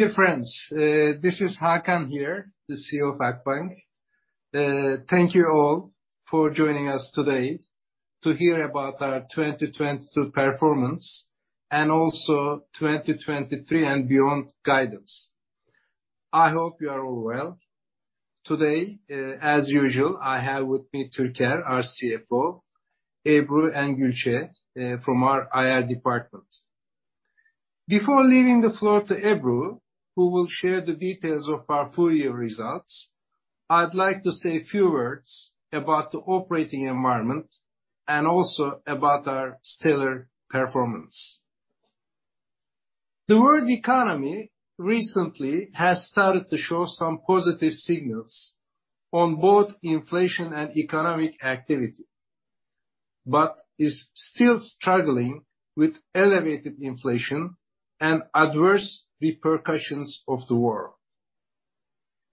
Dear friends, this is Hakan here, the CEO of Akbank. Thank you all for joining us today to hear about our 2022 performance, and also 2023 and beyond guidance. I hope you are all well. Today, as usual, I have with me Türker, our CFO, Ebru and Gülçe, from our IR department. Before leaving the floor to Ebru, who will share the details of our full year results, I'd like to say a few words about the operating environment, and also about our stellar performance. The world economy recently has started to show some positive signals on both inflation and economic activity. Is still struggling with elevated inflation and adverse repercussions of the war.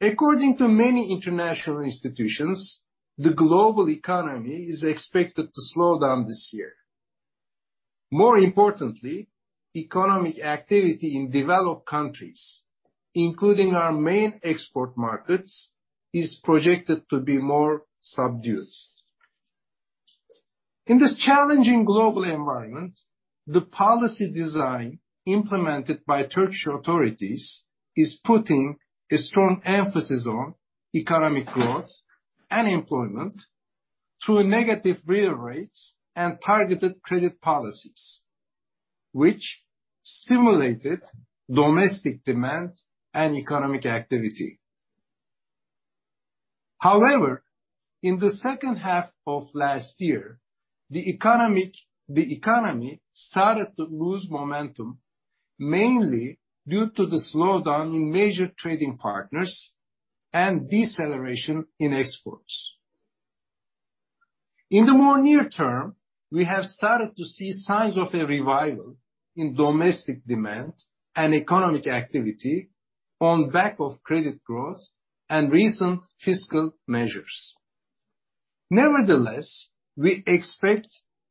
According to many international institutions, the global economy is expected to slow down this year. More importantly, economic activity in developed countries, including our main export markets, is projected to be more subdued. In this challenging global environment, the policy design implemented by Turkish authorities is putting a strong emphasis on economic growth and employment through negative real rates and targeted credit policies, which stimulated domestic demand and economic activity. In the second half of last year, the economy started to lose momentum, mainly due to the slowdown in major trading partners and deceleration in exports. In the more near term, we have started to see signs of a revival in domestic demand and economic activity on back of credit growth and recent fiscal measures. We expect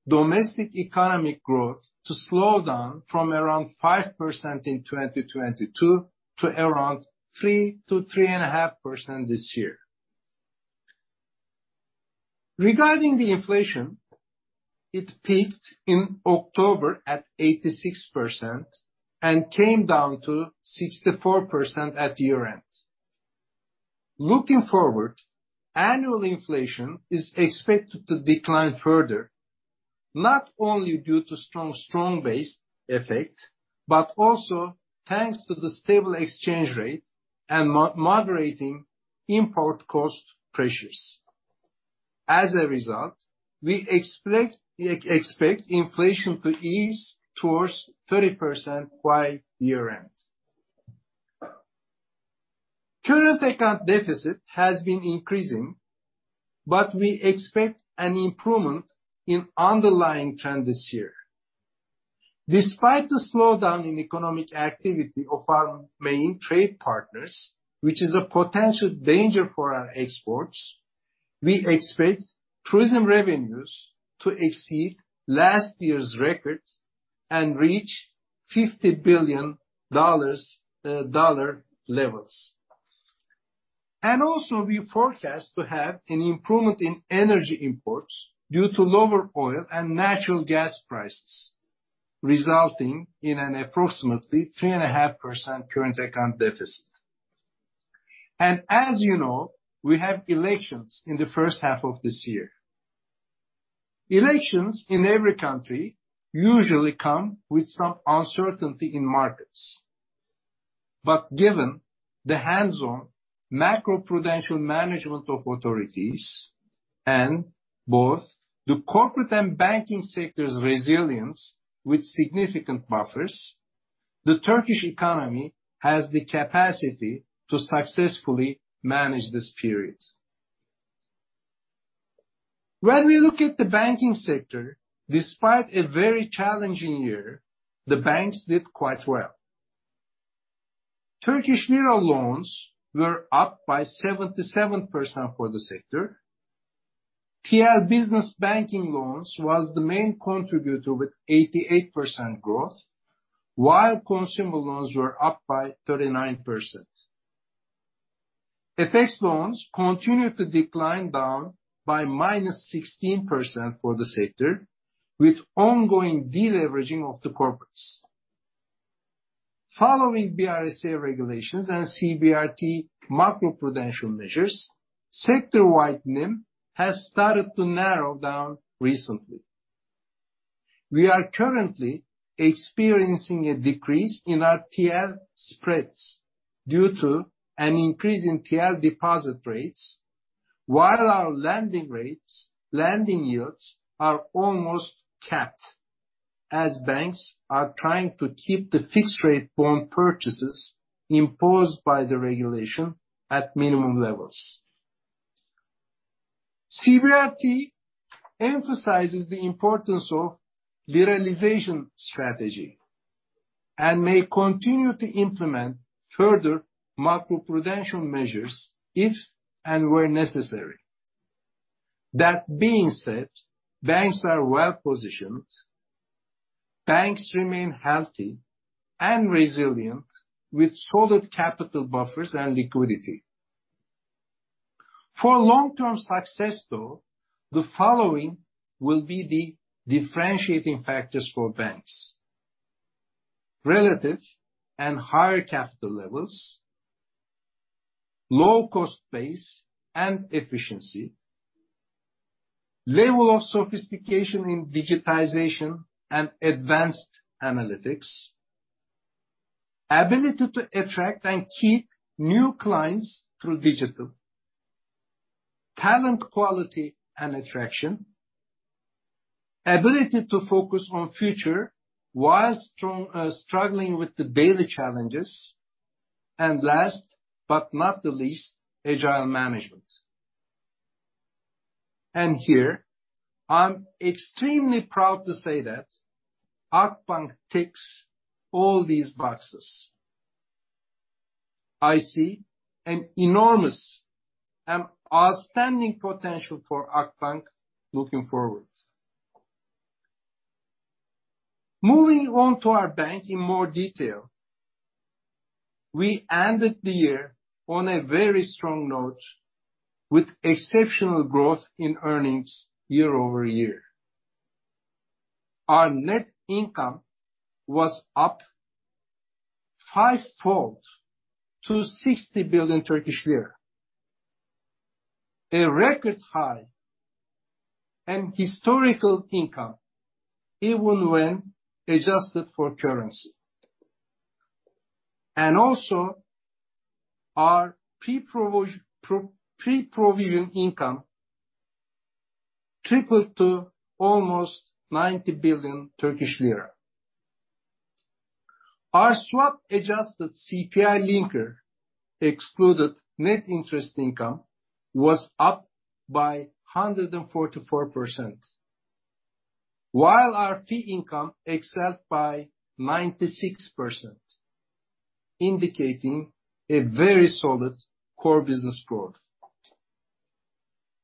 domestic economic growth to slow down from around 5% in 2022 to around 3%-3.5% this year. Regarding the inflation, it peaked in October at 86% and came down to 64% at year end. Looking forward, annual inflation is expected to decline further, not only due to strong base effect, but also thanks to the stable exchange rate and moderating import cost pressures. As a result, we expect inflation to ease towards 30% by year end. Current account deficit has been increasing, we expect an improvement in underlying trend this year. Despite the slowdown in economic activity of our main trade partners, which is a potential danger for our exports, we expect tourism revenues to exceed last year's records and reach $50 billion dollar levels. Also, we forecast to have an improvement in energy imports due to lower oil and natural gas prices, resulting in an approximately 3.5% current account deficit. As you know, we have elections in the first half of this year. Elections in every country usually come with some uncertainty in markets. Given the hands-on macro-prudential management of authorities and both the corporate and banking sector's resilience with significant buffers, the Turkish economy has the capacity to successfully manage this period. When we look at the banking sector, despite a very challenging year, the banks did quite well. Turkish lira loans were up by 77% for the sector. TL business banking loans was the main contributor with 88% growth, while consumer loans were up by 39%. FX loans continued to decline down by -16% for the sector, with ongoing deleveraging of the corporates. Following BRSA regulations and CBRT macro-prudential measures, sector-wide NIM has started to narrow down recently. We are currently experiencing a decrease in our TL spreads due to an increase in TL deposit rates, while our lending rates, lending yields are almost capped as banks are trying to keep the fixed rate bond purchases imposed by the regulation at minimum levels. CBRT emphasizes the importance of liberalization strategy, and may continue to implement further macro-prudential measures if and where necessary. That being said, banks are well positioned. Banks remain healthy and resilient with solid capital buffers and liquidity. For long-term success though, the following will be the differentiating factors for banks. Relative and higher capital levels, low cost base and efficiency, level of sophistication in digitization and advanced analytics, ability to attract and keep new clients through digital, talent, quality and attraction, ability to focus on future while strong, struggling with the daily challenges, and last but not the least, agile management. Here, I'm extremely proud to say that Akbank ticks all these boxes. I see an enormous and outstanding potential for Akbank looking forward. Moving on to our Bank in more detail. We ended the year on a very strong note with exceptional growth in earnings year-over-year. Our net income was up fivefold to TRY 60 billion. A record high and historical income, even when adjusted for currency. Also our pre-provision income tripled to almost 90 billion Turkish lira. Our swap adjusted CPI linker excluded net interest income was up by 144%. While our fee income excelled by 96%, indicating a very solid core business growth.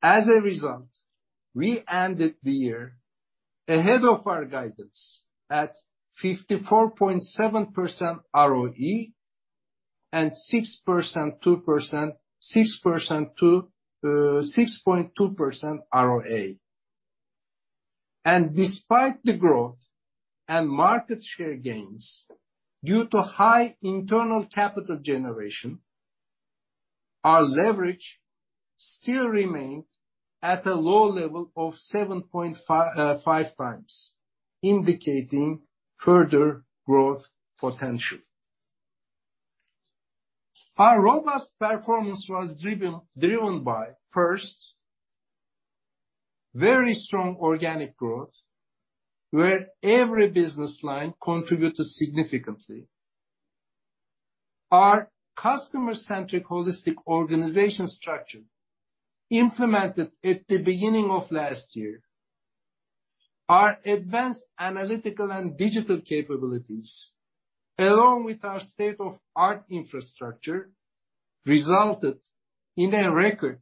As a result, we ended the year ahead of our guidance at 54.7% ROE and 6%-6.2% ROA. Despite the growth and market share gains due to high internal capital generation, our leverage still remained at a low level of 7.5x, indicating further growth potential. Our robust performance was driven by, first, very strong organic growth, where every business line contributed significantly. Our customer-centric holistic organization structure implemented at the beginning of last year. Our advanced analytical and digital capabilities, along with our state-of-art infrastructure, resulted in a record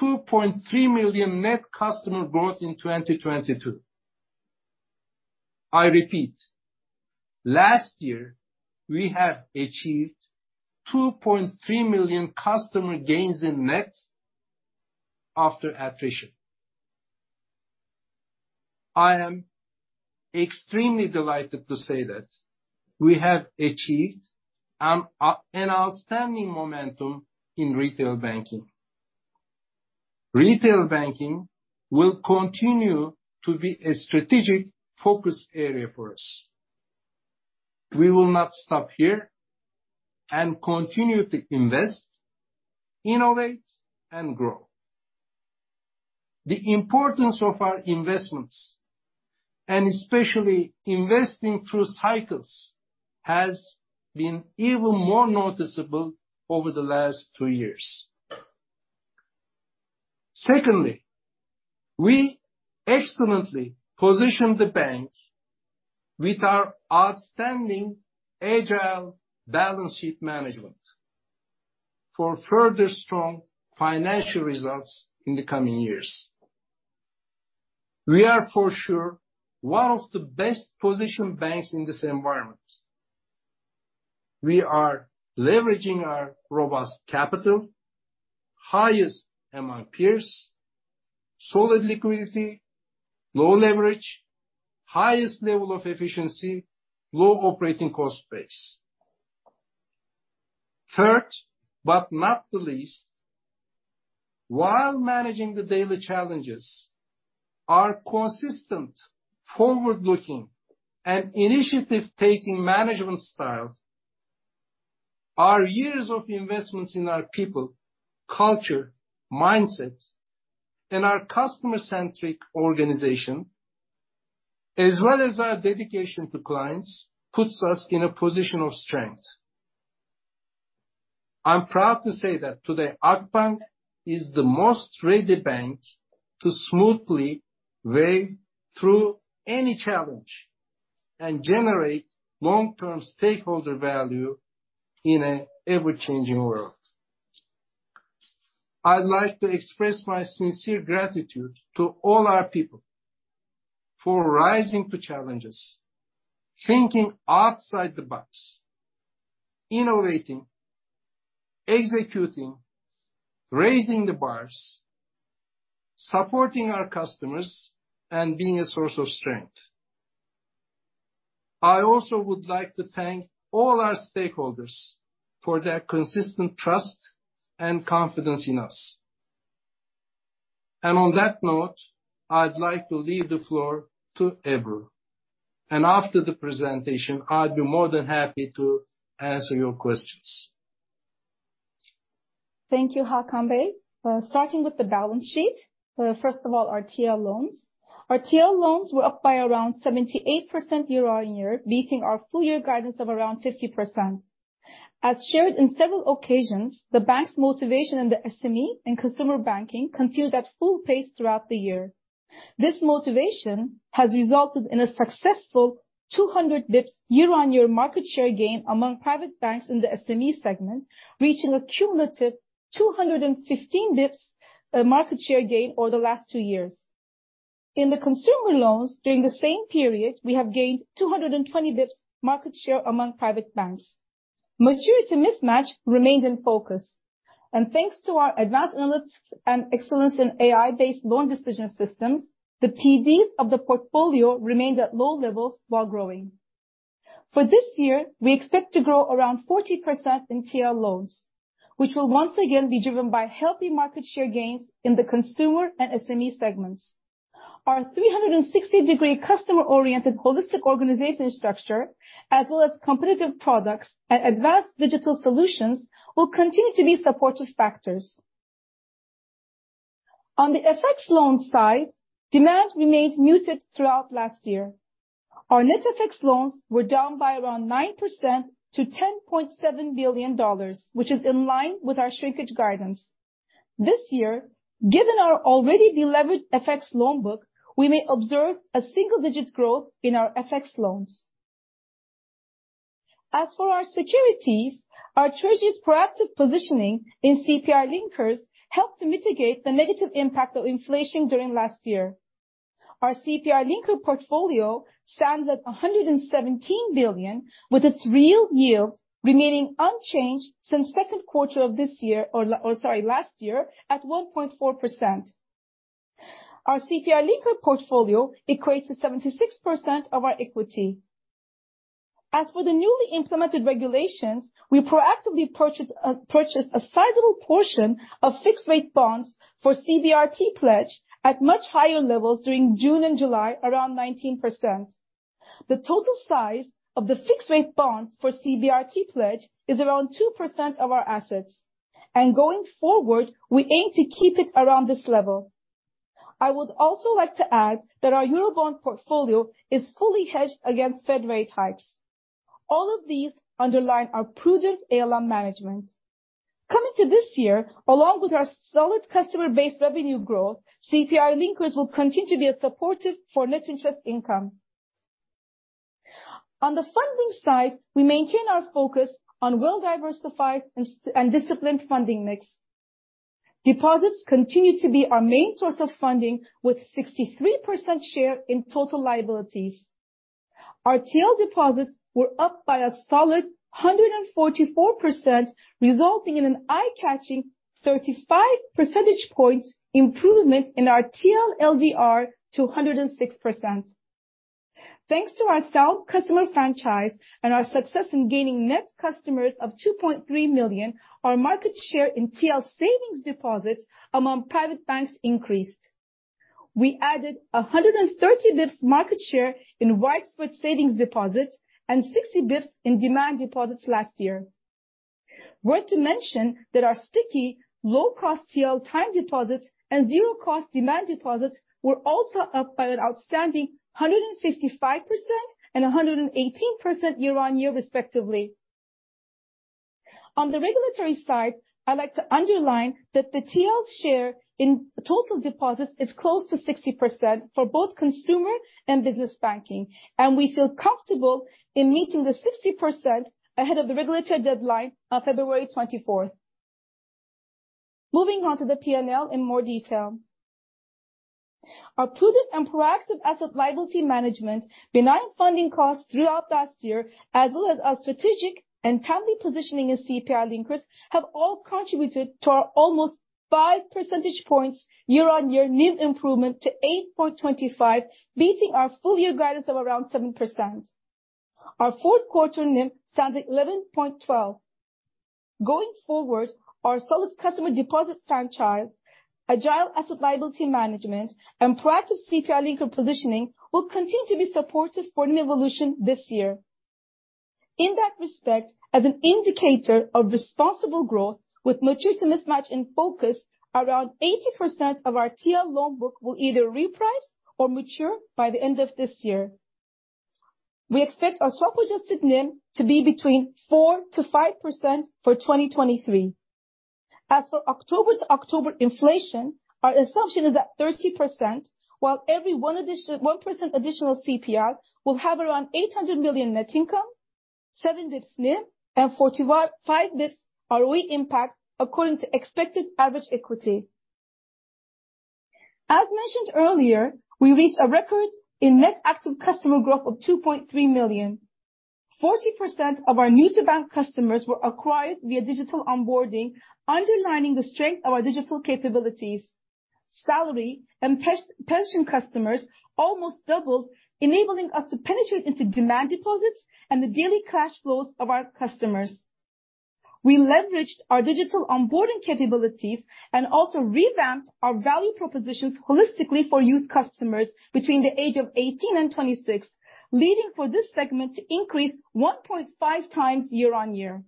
2.3 million net customer growth in 2022. I repeat, last year, we have achieved 2.3 million customer gains in net after attrition. I am extremely delighted to say that we have achieved an outstanding momentum in retail banking. Retail banking will continue to be a strategic focus area for us. We will not stop here and continue to invest, innovate and grow. The importance of our investments, and especially investing through cycles, has been even more noticeable over the last two years. Secondly, we excellently positioned Akbank with our outstanding agile balance sheet management for further strong financial results in the coming years. We are for sure one of the best positioned banks in this environment. We are leveraging our robust capital, highest among peers, solid liquidity, low leverage, highest level of efficiency, low operating cost base. Third, but not the least, while managing the daily challenges are consistent, forward-looking and initiative-taking management style. Our years of investments in our people, culture, mindsets and our customer-centric organization, as well as our dedication to clients, puts us in a position of strength. I'm proud to say that today Akbank is the most ready Bank to smoothly wave through any challenge and generate long-term stakeholder value in an ever-changing world. I'd like to express my sincere gratitude to all our people for rising to challenges, thinking outside the box, innovating, executing, raising the bars, supporting our customers, and being a source of strength. I also would like to thank all our stakeholders for their consistent trust and confidence in us. On that note, I'd like to leave the floor to Ebru. After the presentation, I'd be more than happy to answer your questions. Thank you, Hakan Bey. Starting with the balance sheet. First of all, our TL loans. Our TL loans were up by around 78% year-on-year, beating our full year guidance of around 50%. As shared in several occasions, the Bank's motivation in the SME and consumer banking continued at full pace throughout the year. This motivation has resulted in a successful 200 bps year-on-year market share gain among private banks in the SME segment, reaching a cumulative 215 bps market share gain over the last two years. In the consumer loans during the same period, we have gained 220 bps market share among private banks. Maturity mismatch remained in focus. Thanks to our advanced analytics and excellence in AI-based loan decision systems, the PD of the portfolio remained at low levels while growing. For this year, we expect to grow around 40% in TL loans, which will once again be driven by healthy market share gains in the consumer and SME segments. Our 360-degree customer-oriented holistic organization structure, as well as competitive products and advanced digital solutions, will continue to be supportive factors. On the FX loan side, demand remained muted throughout last year. Our net FX loans were down by around 9% to $10.7 billion, which is in line with our shrinkage guidance. This year, given our already deleveraged FX loan book, we may observe a single-digit growth in our FX loans. As for our securities, our treasury's proactive positioning in CPI linkers helped to mitigate the negative impact of inflation during last year. Our CPI linker portfolio stands at 117 billion, with its real yield remaining unchanged since second quarter of this year, last year, at 1.4%. Our CPI linker portfolio equates to 76% of our equity. As for the newly implemented regulations, we proactively purchased a sizable portion of fixed-rate bonds for CBRT pledge at much higher levels during June and July, around 19%. The total size of the fixed-rate bonds for CBRT pledge is around 2% of our assets. Going forward, we aim to keep it around this level. I would also like to add that our Eurobond portfolio is fully hedged against Fed rate hikes. All of these underline our prudent ALM management. Coming to this year, along with our solid customer base revenue growth, CPI linkers will continue to be a supportive for net interest income. On the funding side, we maintain our focus on well-diversified and disciplined funding mix. Deposits continue to be our main source of funding with 63% share in total liabilities. Our TL deposits were up by a solid 144%, resulting in an eye-catching 35 percentage point improvement in our TL LDR to 106%. Thanks to our sound customer franchise and our success in gaining net customers of 2.3 million, our market share in TL savings deposits among private banks increased. We added 130 bps market share in widespread savings deposits and 60 bps in demand deposits last year. Worth to mention that our sticky low-cost TL time deposits and zero cost demand deposits were also up by an outstanding 165% and 118% year-on-year, respectively. On the regulatory side, I'd like to underline that the TL share in total deposits is close to 60% for both consumer and business banking. We feel comfortable in meeting the 60% ahead of the regulatory deadline on February 24th. Moving on to the P&L in more detail. Our prudent and proactive asset liability management, benign funding costs throughout last year, as well as our strategic and timely positioning in CPI linkers, have all contributed to our almost 5 percentage point year-on-year NIM improvement to 8.25, beating our full year guidance of around 7%. Our fourth quarter NIM stands at 11.12. Going forward, our solid customer deposit franchise, agile asset-liability management, and proactive CPI linker positioning will continue to be supportive for NIM evolution this year. In that respect, as an indicator of responsible growth with maturity mismatch in focus, around 80% of our TL loan book will either reprice or mature by the end of this year. We expect our swap-adjusted NIM to be between 4%-5% for 2023. As for October-to-October inflation, our assumption is at 30%, while every 1% additional CPI will have around 800 million net income, 7 basis points NIIB, and 41.5 basis points ROE impact according to expected average equity. As mentioned earlier, we reached a record in net active customer growth of 2.3 million. 40% of our new-to-bank customers were acquired via digital onboarding, underlining the strength of our digital capabilities. Salary and pension customers almost doubled, enabling us to penetrate into demand deposits and the daily cash flows of our customers. We leveraged our digital onboarding capabilities and also revamped our value propositions holistically for youth customers between the age of 18 and 26, leading for this segment to increase 1.5x year-on-year.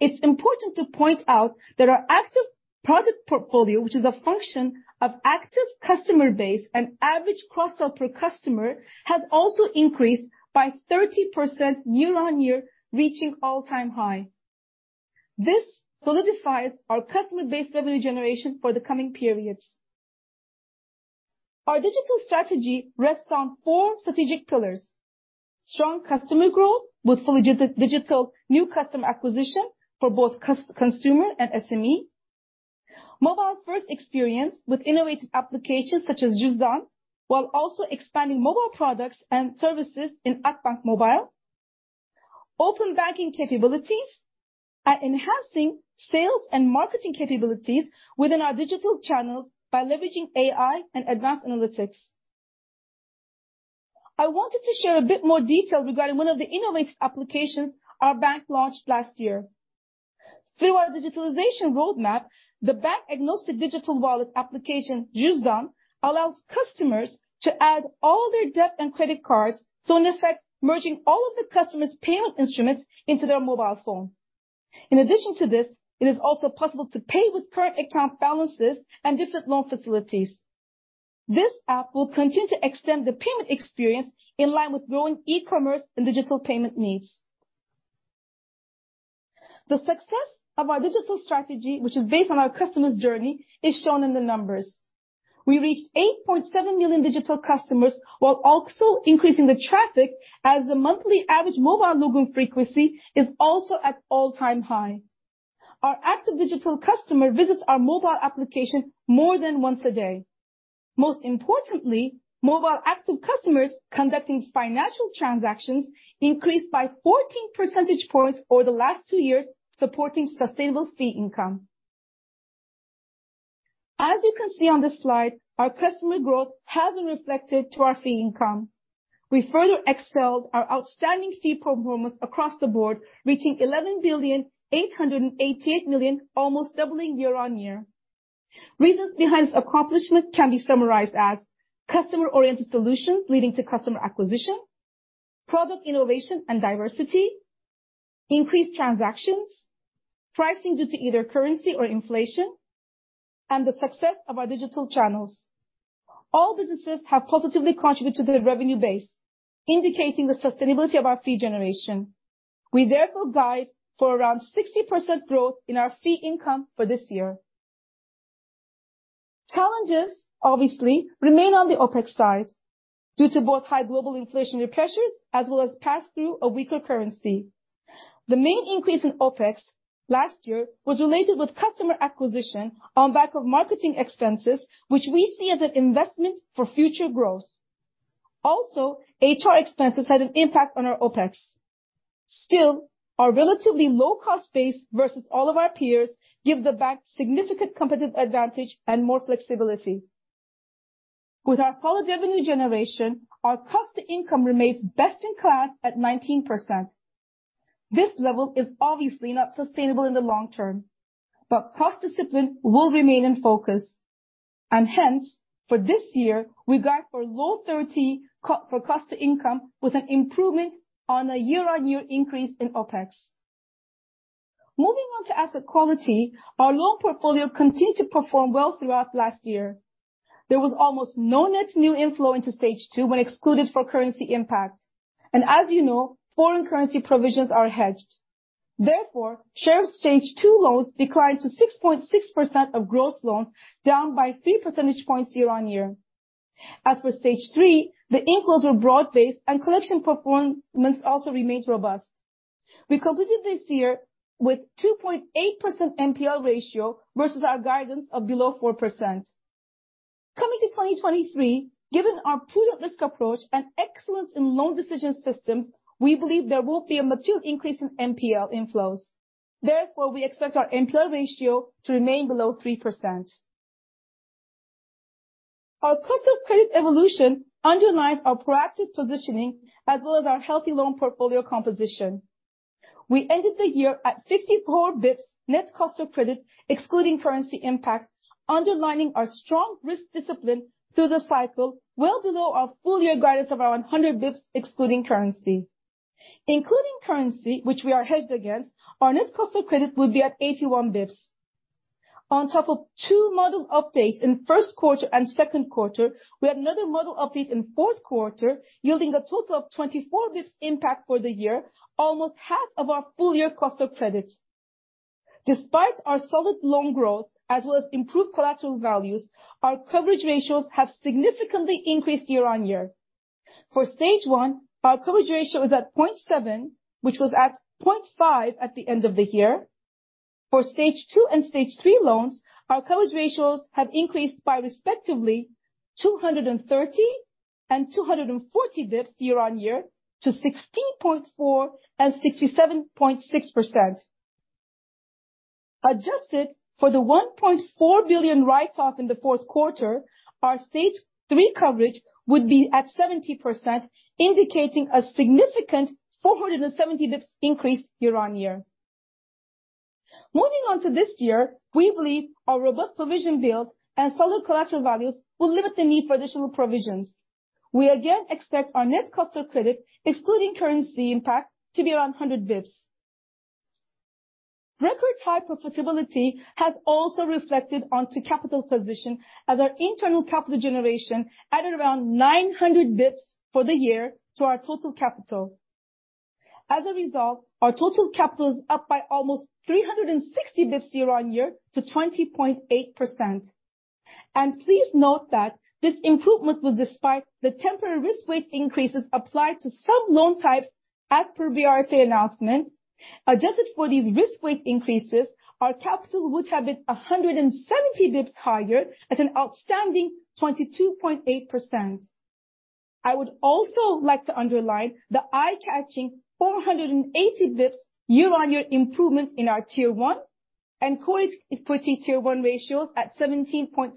It's important to point out that our active product portfolio, which is a function of active customer base and average cross-sell per customer, has also increased by 30% year-on-year, reaching all-time high. This solidifies our customer base revenue generation for the coming periods. Our digital strategy rests on four strategic pillars. Strong customer growth with fully digital new customer acquisition for both consumer and SME. Mobile-first experience with innovative applications such as Cüzdan, while also expanding mobile products and services in Akbank Mobile. Open banking capabilities and enhancing sales and marketing capabilities within our digital channels by leveraging AI and advanced analytics. I wanted to share a bit more detail regarding one of the innovative applications our Bank launched last year. Through our digitalization roadmap, the bank-agnostic digital wallet application, Cüzdan, allows customers to add all their debit and credit cards, so in effect, merging all of the customer's payment instruments into their mobile phone. In addition to this, it is also possible to pay with current account balances and different loan facilities. This app will continue to extend the payment experience in line with growing e-commerce and digital payment needs. The success of our digital strategy, which is based on our customer's journey, is shown in the numbers. We reached 8.7 million digital customers while also increasing the traffic as the monthly average mobile login frequency is also at all-time high. Our active digital customer visits our mobile application more than once a day. Most importantly, mobile active customers conducting financial transactions increased by 14 percentage points over the last two years, supporting sustainable fee income. As you can see on this slide, our customer growth has been reflected to our fee income. We further excelled our outstanding fee performance across the board, reaching 11.888 billion, almost doubling year-on-year. Reasons behind this accomplishment can be summarized as customer-oriented solutions leading to customer acquisition, product innovation and diversity, increased transactions, pricing due to either currency or inflation, and the success of our digital channels. All businesses have positively contributed to the revenue base, indicating the sustainability of our fee generation. We therefore guide for around 60% growth in our fee income for this year. Challenges, obviously, remain on the OpEx side due to both high global inflationary pressures as well as pass-through of weaker currency. The main increase in OpEx last year was related with customer acquisition on back of marketing expenses, which we see as an investment for future growth. HR expenses had an impact on our OpEx. Our relatively low cost base versus all of our peers gives the Bank significant competitive advantage and more flexibility. With our solid revenue generation, our cost-to-income remains best in class at 19%. This level is obviously not sustainable in the long term, cost discipline will remain in focus. For this year, we got for low 30 cost-to-income with an improvement on a year-on-year increase in OpEx. Moving on to asset quality, our loan portfolio continued to perform well throughout last year. There was almost no net new inflow into Stage 2 when excluded for currency impact. As you know, foreign currency provisions are hedged. Therefore, Stage 2 loans declined to 6.6% of gross loans, down by 3 percentage points year-on-year. As for Stage 3, the inflows were broad-based and collection performance also remained robust. We completed this year with 2.8% NPL ratio versus our guidance of below 4%. Coming to 2023, given our prudent risk approach and excellence in loan decision systems, we believe there will be a material increase in NPL inflows. Therefore, we expect our NPL ratio to remain below 3%. Our cost of credit evolution underlines our proactive positioning as well as our healthy loan-portfolio composition. We ended the year at 54 bps net cost of credit, excluding currency impacts, underlining our strong risk discipline through the cycle, well below our full year guidance of around 100 bps excluding currency. Including currency, which we are hedged against, our net cost of credit will be at 81 bps. On top of two model updates in first quarter and second quarter, we had another model update in fourth quarter, yielding a total of 24 bps impact for the year, almost half of our full year cost of credits. Despite our solid loan growth as well as improved collateral values, our coverage ratios have significantly increased year-on-year. For Stage 1, our coverage ratio is at 0.7, which was at 0.5 at the end of the year. For Stage 2 and Stage 3 loans, our coverage ratios have increased by respectively 230 and 240 basis points year-on-year to 16.4 and 67.6%. Adjusted for the 1.4 billion write-off in the fourth quarter, our Stage 3 coverage would be at 70%, indicating a significant 470 basis points increase year-on-year. Moving on to this year, we believe our robust provision build and solid collateral values will limit the need for additional provisions. We again expect our net cost of credit, excluding currency impact, to be around 100 basis points. Record high profitability has also reflected onto capital position as our internal capital generation added around 900 basis points for the year to our total capital. Our total capital is up by almost 360 bps year-on-year to 20.8%. Please note that this improvement was despite the temporary risk weight increases applied to some loan types as per BRSA announcement. Adjusted for these risk weight increases, our capital would have been 170 bps higher at an outstanding 22.8%. I would also like to underline the eye-catching 480 bps year-on-year improvements in our Tier 1 and Core Equity Tier 1 ratios at 17.7%.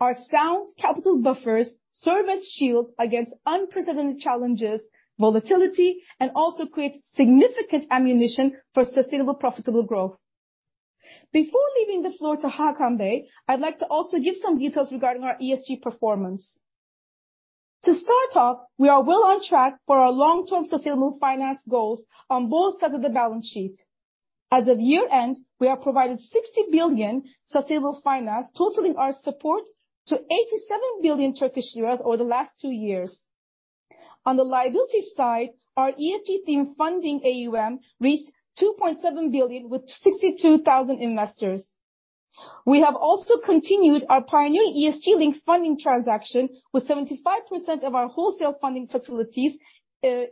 Our sound capital buffers serve as shield against unprecedented challenges, volatility, and also creates significant ammunition for sustainable profitable growth. Before leaving the floor to Hakan Bey, I'd like to also give some details regarding our ESG performance. To start off, we are well on track for our long-term sustainable finance goals on both sides of the balance sheet. As of year-end, we have provided 60 billion sustainable finance, totaling our support to 87 billion Turkish lira over the last two years. On the liability side, our ESG themed funding AUM reached 2.7 billion with 62,000 investors. We have also continued our pioneering ESG linked funding transaction with 75% of our wholesale funding facilities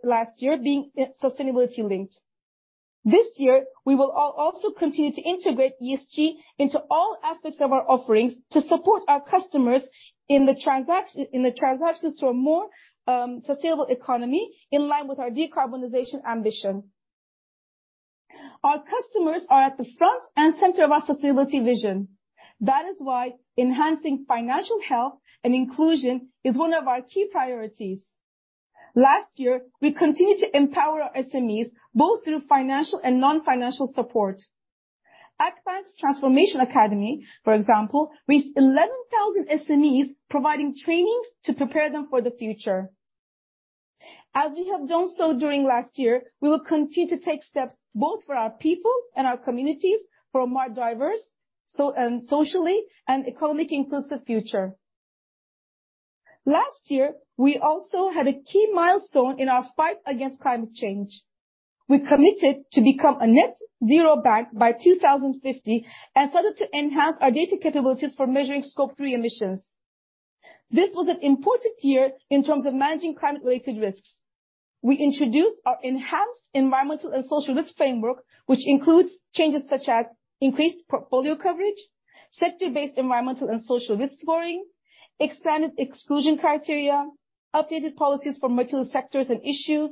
last year being sustainability-linked. This year, we will also continue to integrate ESG into all aspects of our offerings to support our customers in the transition to a more sustainable economy in line with our decarbonization ambition. Our customers are at the front and center of our sustainability vision. Enhancing financial health and inclusion is one of our key priorities. Last year, we continued to empower our SMEs, both through financial and non-financial support. Akbank's Transformation Academy, for example, reached 11,000 SMEs providing trainings to prepare them for the future. As we have done so during last year, we will continue to take steps both for our people and our communities for a more diverse, socially and economically inclusive future. Last year, we also had a key milestone in our fight against climate change. We committed to become a net-zero Bank by 2050 and started to enhance our data capabilities for measuring Scope 3 emissions. This was an important year in terms of managing climate-related risks. We introduced our enhanced environmental and social risk framework, which includes changes such as increased portfolio coverage, sector-based environmental and social risk scoring, expanded exclusion criteria, updated policies for material sectors and issues,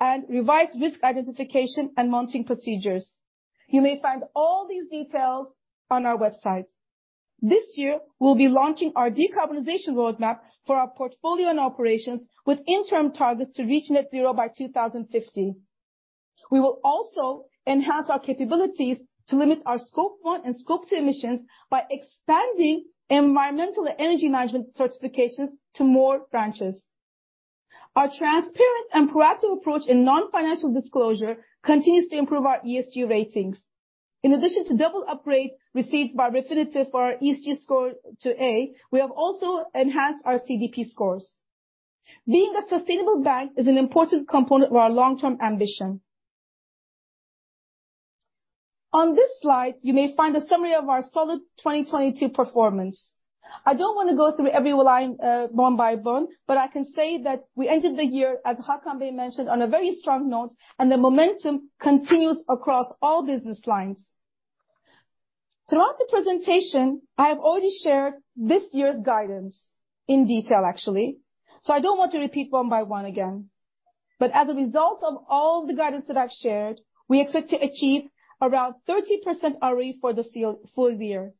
and revised risk identification and mounting procedures. You may find all these details on our website. This year, we'll be launching our decarbonization roadmap for our portfolio and operations with interim targets to reach net-zero by 2050. We will also enhance our capabilities to limit our Scope 1 and Scope 2 emissions by expanding environmental energy management certifications to more branches. Our transparent and proactive approach in non-financial disclosure continues to improve our ESG ratings. In addition to double upgrade received by Refinitiv for our ESG score to A, we have also enhanced our CDP scores. Being a sustainable Bank is an important component of our long-term ambition. On this slide, you may find a summary of our solid 2022 performance. I don't wanna go through every line, one by one, but I can say that we ended the year, as Hakan Bey mentioned, on a very strong note, and the momentum continues across all business lines. Throughout the presentation, I have already shared this year's guidance in detail, actually, so I don't want to repeat one by one again. But as a result of all the guidance that I've shared, we expect to achieve around 30% ROE for the full year.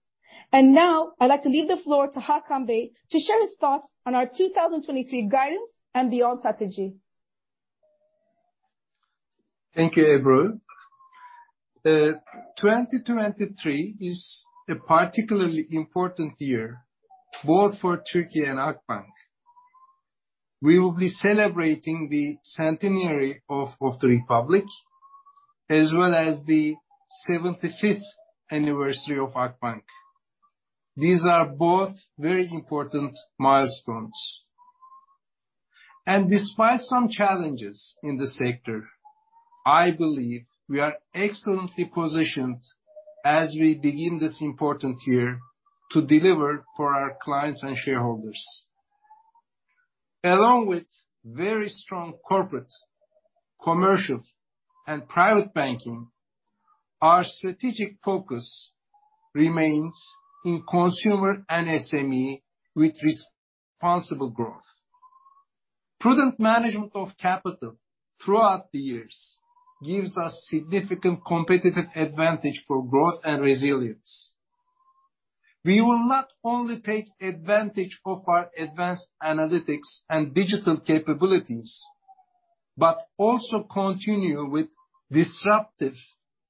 And now I'd like to leave the floor to Hakan Bey to share his thoughts on our 2023 guidance and beyond strategy. Thank you, Ebru. 2023 is a particularly important year both for Turkey and Akbank. We will be celebrating the centenary of the Republic, as well as the 75th anniversary of Akbank. These are both very important milestones. Despite some challenges in the sector, I believe we are excellently positioned as we begin this important year to deliver for our clients and shareholders. Along with very strong corporate, commercial, and private banking, our strategic focus remains in consumer and SME with responsible growth. Prudent management of capital throughout the years gives us significant competitive advantage for growth and resilience. We will not only take advantage of our advanced analytics and digital capabilities, but also continue with disruptive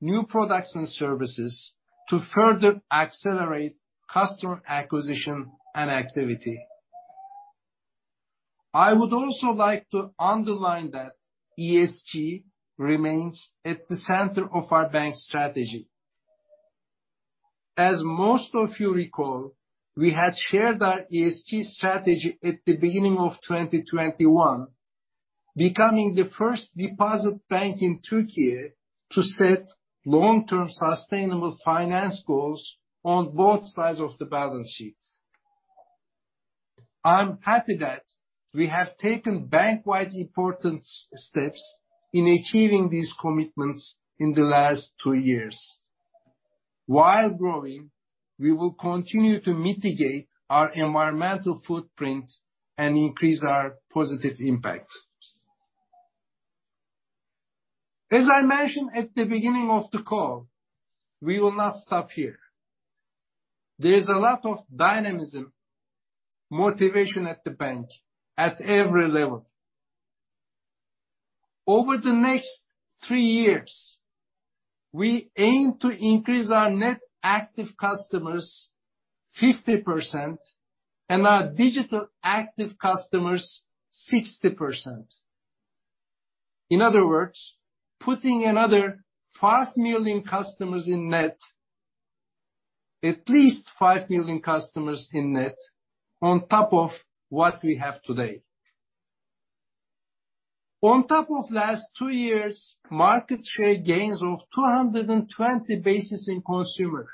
new products and services to further accelerate customer acquisition and activity. I would also like to underline that ESG remains at the center of our Bank strategy. As most of you recall, we had shared our ESG strategy at the beginning of 2021, becoming the first deposit Bank in Turkey to set long-term sustainable finance goals on both sides of the balance sheets. I'm happy that we have taken bank-wide important steps in achieving these commitments in the last two years. While growing, we will continue to mitigate our environmental footprint and increase our positive impact. As I mentioned at the beginning of the call, we will not stop here. There is a lot of dynamism, motivation at the Bank at every level. Over the next three years, we aim to increase our net active customers 50% and our digital active customers 60%. In other words, putting another 5 million customers in net, at least 5 million customers in net on top of what we have today. On top of last two years, market share gains of 220 basis in consumer,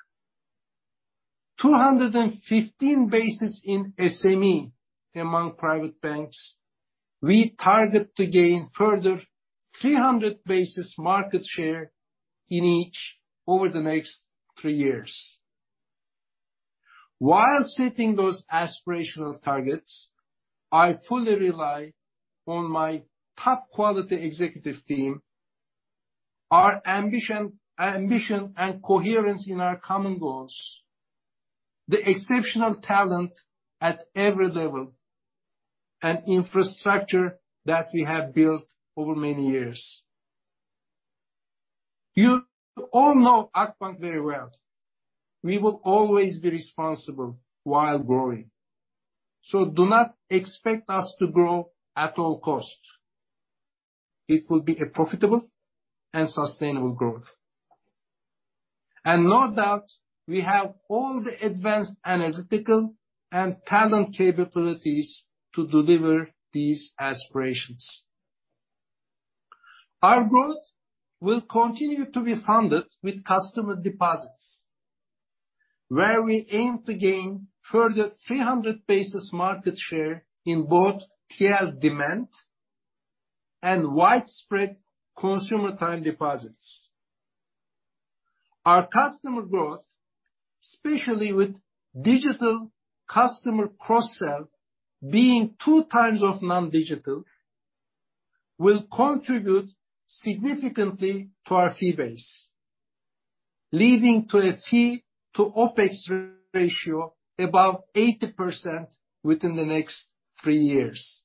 215 basis in SME among private banks. We target to gain further 300 basis market share in each over the next three years. While setting those aspirational targets, I fully rely on my top quality executive team, our ambition and coherence in our common goals, the exceptional talent at every level, and infrastructure that we have built over many years. You all know Akbank very well. We will always be responsible while growing. Do not expect us to grow at all costs. It will be a profitable and sustainable growth. No doubt, we have all the advanced analytical and talent capabilities to deliver these aspirations. Our growth will continue to be funded with customer deposits, where we aim to gain further 300 basis market share in both TL demand and widespread consumer time deposits. Our customer growth, especially with digital customer cross-sell, being 2x of non-digital, will contribute significantly to our fee base, leading to a fee to OpEx ratio above 80% within the next three years.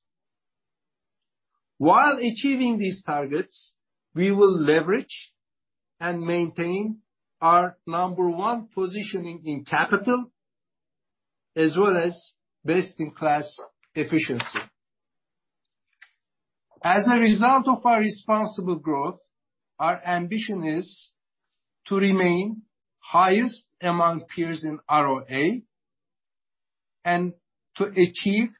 While achieving these targets, we will leverage and maintain our number one positioning in capital as well as best-in-class efficiency. As a result of our responsible growth, our ambition is to remain highest among peers in ROA and to achieve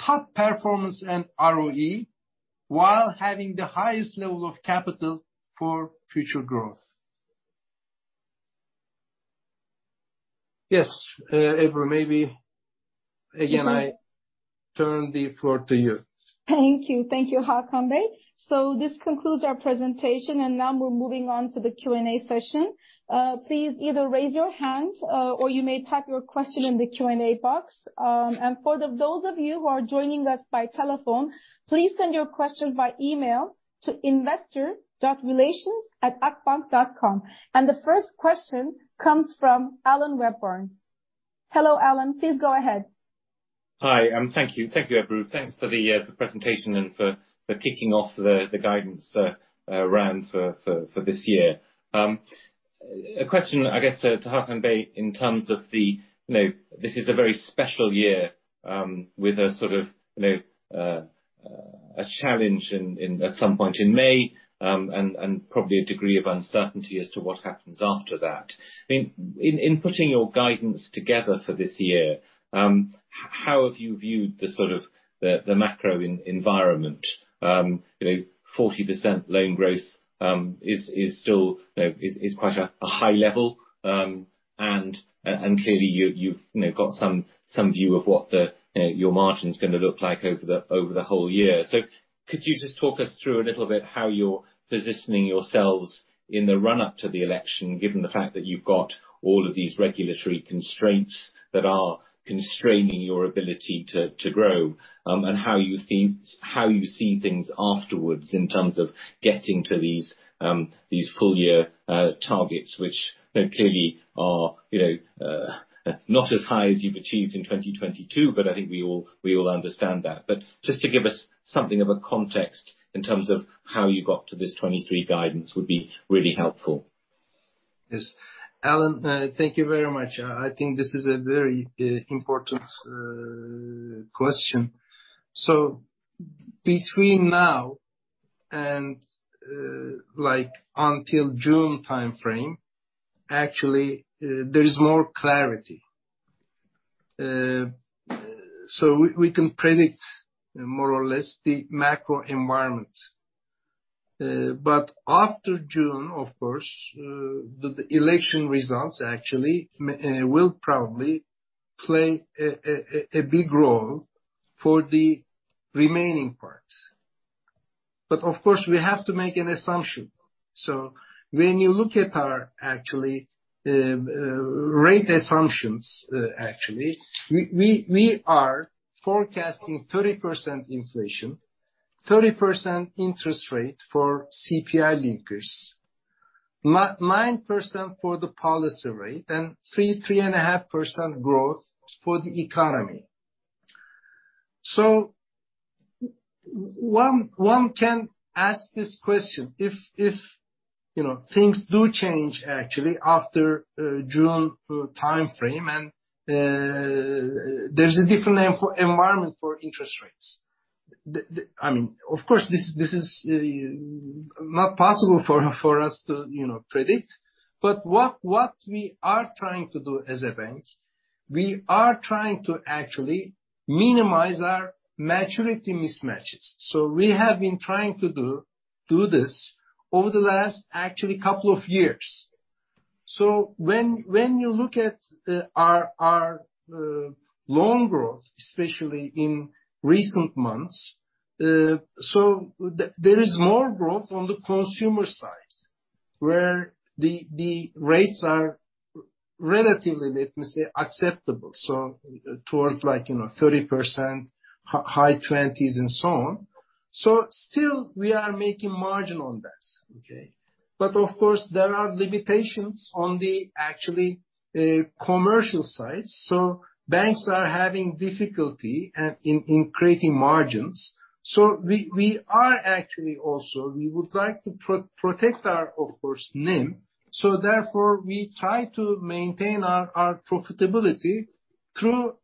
top performance and ROE while having the highest level of capital for future growth. Ebru, maybe again, I turn the floor to you. Thank you. Thank you, Hakan Bey. This concludes our presentation, and now we're moving on to the Q&A session. Please either raise your hand or you may type your question in the Q&A box. For the those of you who are joining us by telephone, please send your questions via email to investor.relations@akbank.com. The first question comes from Alan Webborn. Hello, Alan, please go ahead. Hi, thank you. Thank you, Ebru. Thanks for the presentation and kicking off the guidance, ran for this year. A question, I guess, to Hakan Bey in terms of the... You know, this is a very special year, with a sort of, you know, a challenge at some point in May, and probably a degree of uncertainty as to what happens after that. In putting your guidance together for this year, how have you viewed the sort of the macro environment? You know, 40% loan growth is still, you know, is quite a high level. Clearly you've, you know, got some view of what your margin's gonna look like over the whole year. Could you just talk us through a little bit how you're positioning yourselves in the run-up to the election, given the fact that you've got all of these regulatory constraints that are constraining your ability to grow, and how you see how you see things afterwards in terms of getting to these full year targets, which, you know, clearly are, you know, not as high as you've achieved in 2022, but I think we all, we all understand that. Just to give us something of a context in terms of how you got to this 23 guidance would be really helpful. Yes. Alan, thank you very much. I think this is a very important question. Between now and until June timeframe, actually, there is more clarity. We can predict more or less the macro environment. After June, of course, the election results actually will probably play a big role for the remaining parts. Of course, we have to make an assumption. When you look at our actually rate assumptions, actually, we are forecasting 30% inflation, 30% interest rate for CPI linkers, 9% for the policy rate, and 3.5% growth for the economy. One can ask this question. If, you know, things do change actually after June timeframe, and there's a different environment for interest rates. I mean, of course, this is not possible for us to, you know, predict. What we are trying to do as a Bank, we are trying to actually minimize our maturity mismatches. We have been trying to do this over the last actually couple of years. When you look at our loan growth, especially in recent months, there is more growth on the consumer side, where the rates are relatively, let me say, acceptable, so towards like, you know, 30%, high 20s and so on. Still we are making margin on that, okay? Of course, there are limitations on the actually commercial side. Banks are having difficulty in creating margins. We are actually also, we would like to protect our, of course, NIM. Therefore, we try to maintain our profitability through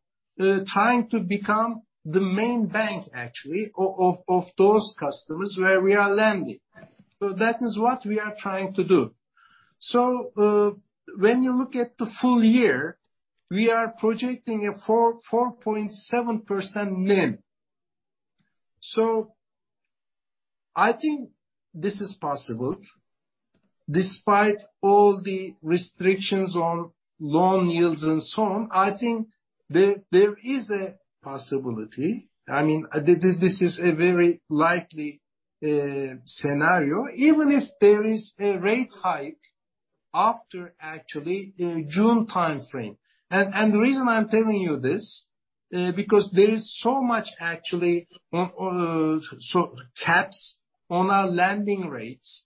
trying to become the main Bank actually of those customers where we are lending. That is what we are trying to do. When you look at the full year, we are projecting a 4.7% NIM. I think this is possible despite all the restrictions on loan yields and so on. I think there is a possibility. I mean, this is a very likely scenario, even if there is a rate hike after actually June timeframe. The reason I'm telling you this, because there is so much actually, so caps on our lending rates.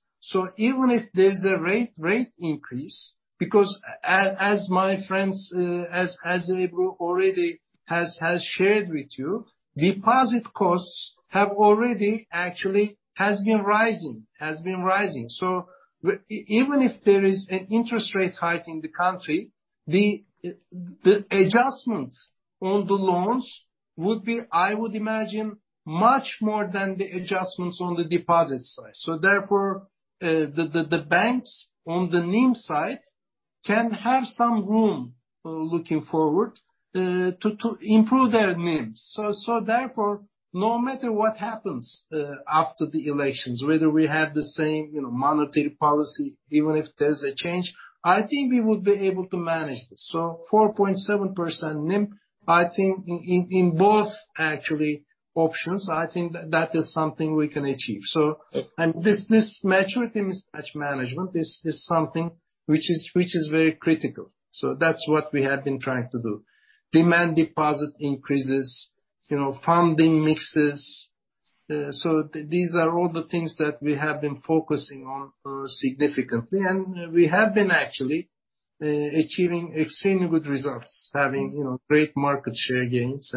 Even if there's a rate increase, because as my friends, as Ebru already has shared with you, deposit costs have already actually has been rising. Even if there is an interest rate hike in the country, the adjustment on the loans would be, I would imagine, much more than the adjustments on the deposit side. Therefore, the banks on the NIM side can have some room, looking forward, to improve their NIMs. Therefore, no matter what happens after the elections, whether we have the same, you know, monetary policy, even if there's a change, I think we would be able to manage this. 4.7% NIM, I think in both actually options, I think that is something we can achieve. This maturity mismatch management is something which is very critical. That's what we have been trying to do. Demand deposit increases, you know, funding mixes. These are all the things that we have been focusing on, significantly. We have been actually achieving extremely good results, having, you know, great market share gains.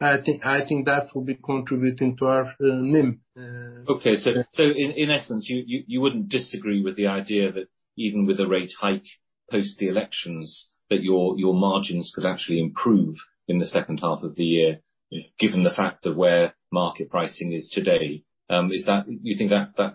I think that will be contributing to our NIM. In essence, you wouldn't disagree with the idea that even with a rate hike post the elections that your margins could actually improve in the second half of the year? Yeah Given the fact of where market pricing is today. Do you think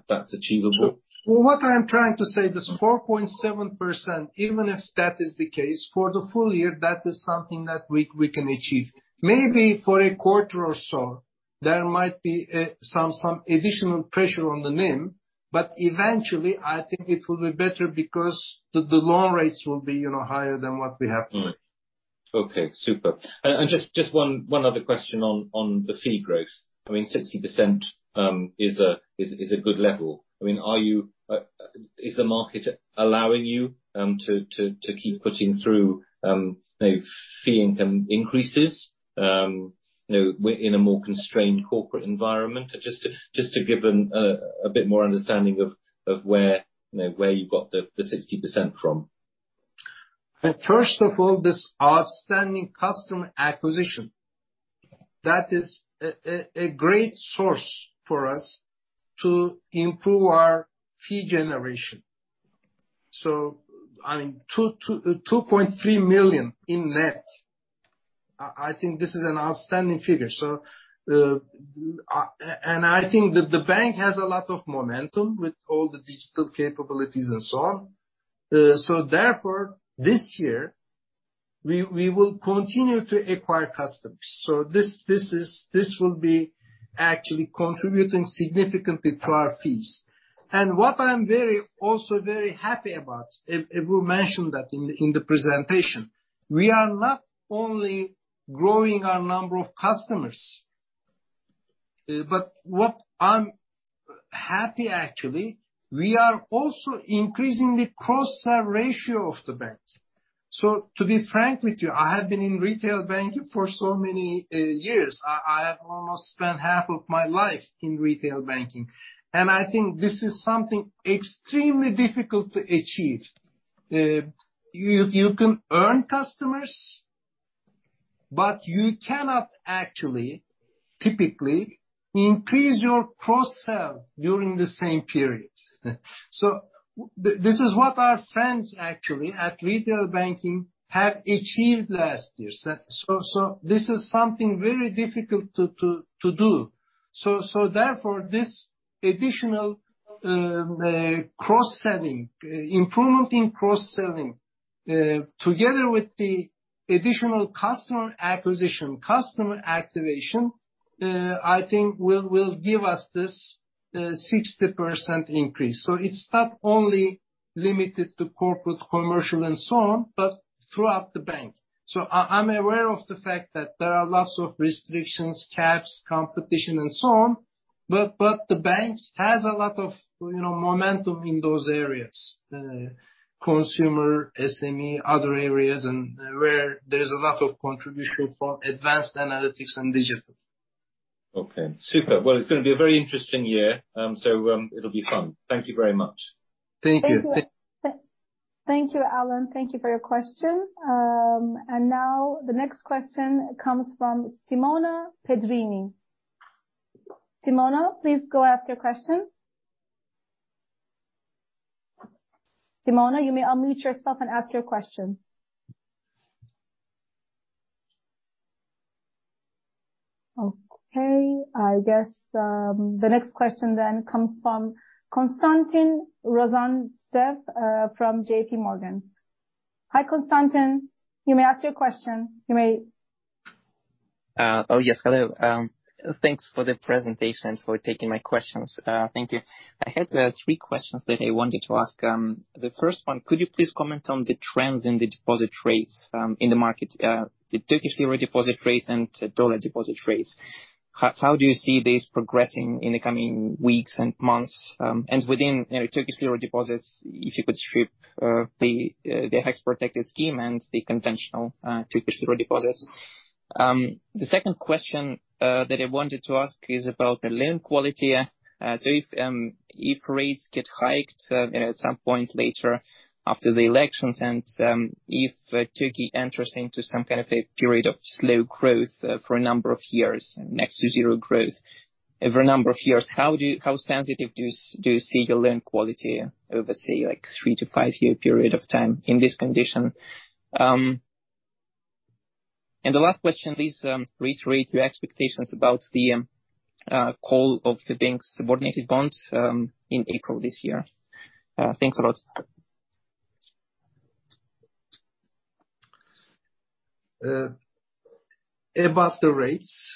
that's achievable? Well, what I am trying to say, this 4.7%, even if that is the case, for the full year, that is something that we can achieve. Maybe for a quarter or so, there might be some additional pressure on the NIM, but eventually, I think it will be better because the loan rates will be, you know, higher than what we have today. All right. Okay, super. Just one other question on the fee growth. I mean, 60% is a good level. Is the market allowing you to keep putting through, you know, fee income increases? You know, we're in a more constrained corporate environment. Just to give a bit more understanding of where, you know, where you got the 60% from. First of all, this outstanding customer acquisition, that is a great source for us to improve our fee generation. I mean 2.3 million in net, I think this is an outstanding figure. And I think the Bank has a lot of momentum with all the digital capabilities and so on. Therefore, this year, we will continue to acquire customers. This will be actually contributing significantly to our fees. What I'm very, also very happy about, Ebru mentioned that in the presentation. We are not only growing our number of customers, but what I'm happy actually, we are also increasing the cross-sell ratio of the Bank. To be frank with you, I have been in retail banking for so many years. I have almost spent half of my life in retail banking. I think this is something extremely difficult to achieve. You can earn customers, but you cannot actually typically increase your cross-sell during the same period. This is what our friends actually at retail banking have achieved last year. This is something very difficult to do. Therefore, this additional cross-selling improvement in cross-selling together with the additional customer acquisition, customer activation, I think will give us this 60% increase. It's not only limited to Corporate, Commercial and so on, but throughout the Bank. I'm aware of the fact that there are lots of restrictions, caps, competition and so on, but the Bank has a lot of, you know, momentum in those areas. Consumer, SME, other areas and where there is a lot of contribution from advanced analytics and digital. Okay. Super. It's gonna be a very interesting year, so, it'll be fun. Thank you very much. Thank you. Thank you. Thank you, Alan. Thank you for your question. Now the next question comes from Simona Pedrini. Simona, please go ask your question. Simona, you may unmute yourself and ask your question. I guess, the next question comes from Konstantin Rozantsev from JPMorgan. Hi, Konstantin. You may ask your question. You may. Oh, yes. Hello. Thanks for the presentation, for taking my questions. Thank you. I had three questions that I wanted to ask. The first one, could you please comment on the trends in the deposit rates in the market? The Turkish lira deposit rates and USD deposit rates. How do you see this progressing in the coming weeks and months? Within, you know, Turkish lira deposits, if you could strip the FX-protected scheme and the conventional Turkish lira deposits. The second question that I wanted to ask is about the loan quality. If, if rates get hiked, you know, at some point later after the elections, and, if Turkey enters into some kind of a period of slow growth, for a number of years, next to zero growth over a number of years, how sensitive do you see your loan quality over, say, like three-five-year period of time in this condition? And the last question, please, reiterate your expectations about the call of the Bank's subordinated bonds, in April this year. Thanks a lot. About the rates.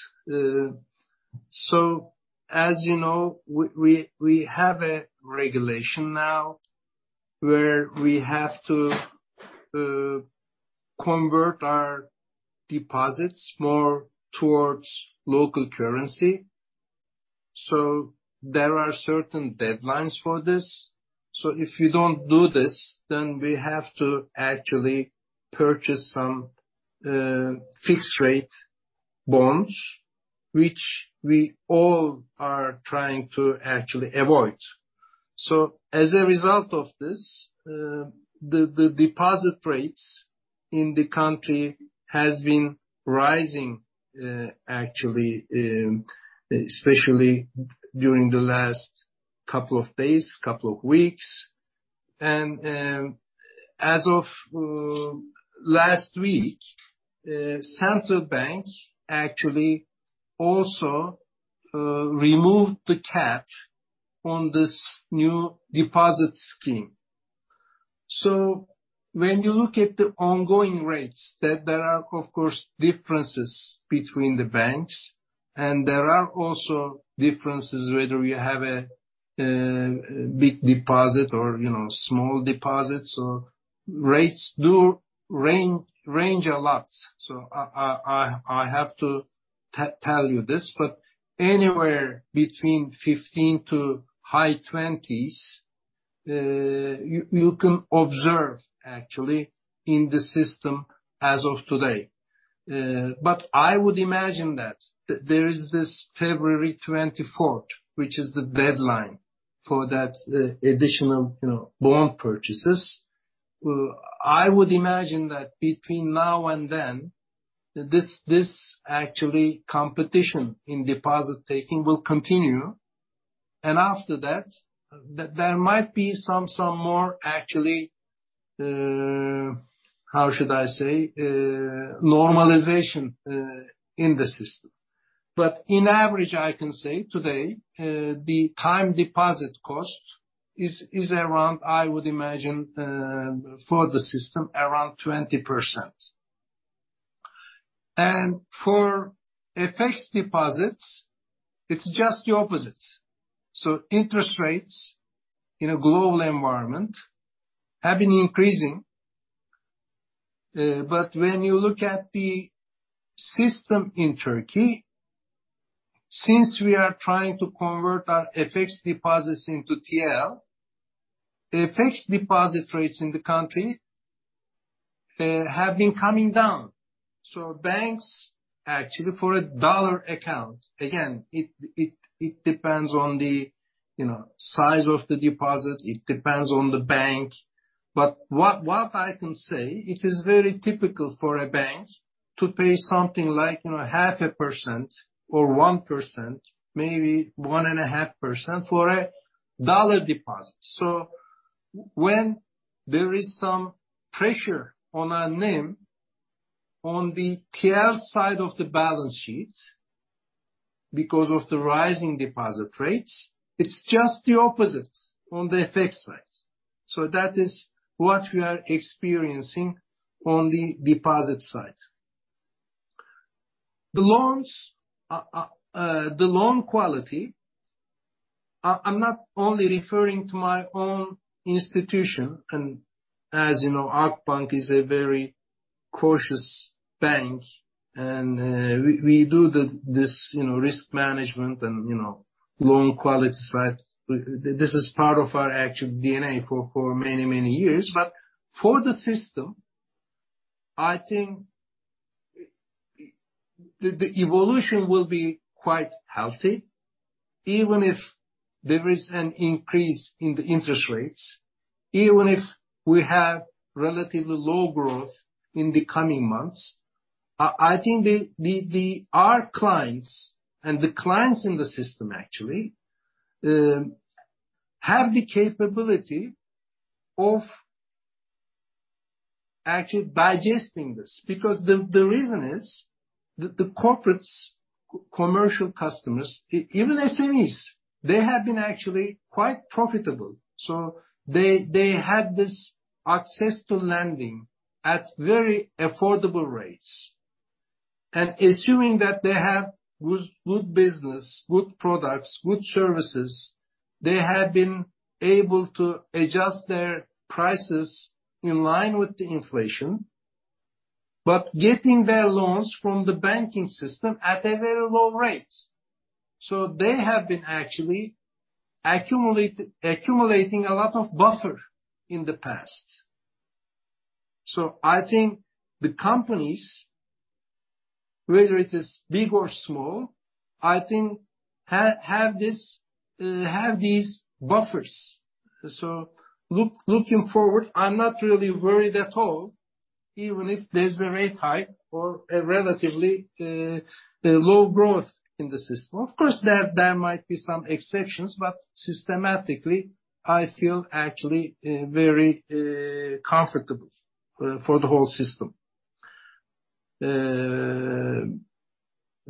As you know, we have a regulation now where we have to convert our deposits more towards local currency. There are certain deadlines for this. If you don't do this, then we have to actually purchase some fixed rate bonds, which we all are trying to actually avoid. As a result of this, the deposit rates in the country has been rising actually, especially during the last couple of days, couple of weeks. As of last week, Central Bank actually also removed the cap on this new deposit scheme. When you look at the ongoing rates, there are of course differences between the banks, and there are also differences whether you have a big deposit or, you know, small deposits or rates do range a lot. I have to tell you this, but anywhere between 15%-high 20s%, you can observe actually in the system as of today. But I would imagine that there is this February 24th, which is the deadline for that, additional, you know, bond purchases. I would imagine that between now and then, this actually competition in deposit-taking will continue. After that, there might be some more actually, how should I say, normalization in the system. In average, I can say today, the time deposit cost is around, I would imagine, for the system, around 20%. For FX deposits, it's just the opposite. Interest rates in a global environment have been increasing. When you look at the system in Turkey, since we are trying to convert our FX deposits into TL, the FX deposit rates in the country have been coming down. Banks actually, for a dollar account, again, it depends on the, you know, size of the deposit, it depends on the Bank. What I can say, it is very typical for a Bank to pay something like, you know, half a percent or 1%, maybe 1.5% for a dollar deposit. When there is some pressure on our NIM on the TL side of the balance sheet because of the rising deposit rates, it's just the opposite on the FX side. That is what we are experiencing on the deposit side. The loans, the loan quality, I'm not only referring to my own institution. As you know, Akbank is a very cautious Bank. We do this, you know, risk management and, you know, loan quality side. This is part of our actual DNA for many years. For the system, I think the evolution will be quite healthy, even if there is an increase in the interest rates, even if we have relatively low growth in the coming months. I think our clients and the clients in the system actually have the capability of actually digesting this. The reason is the corporates, commercial customers, even SMEs, they have been actually quite profitable. They had this access to lending at very affordable rates. Assuming that they have good business, good products, good services, they have been able to adjust their prices in line with the inflation, but getting their loans from the banking system at a very low rates. They have been actually accumulating a lot of buffer in the past. I think the companies, whether it is big or small, I think have these buffers. Looking forward, I'm not really worried at all, even if there's a rate hike or a relatively low growth in the system. Of course, there might be some exceptions, but systematically, I feel actually very comfortable for the whole system.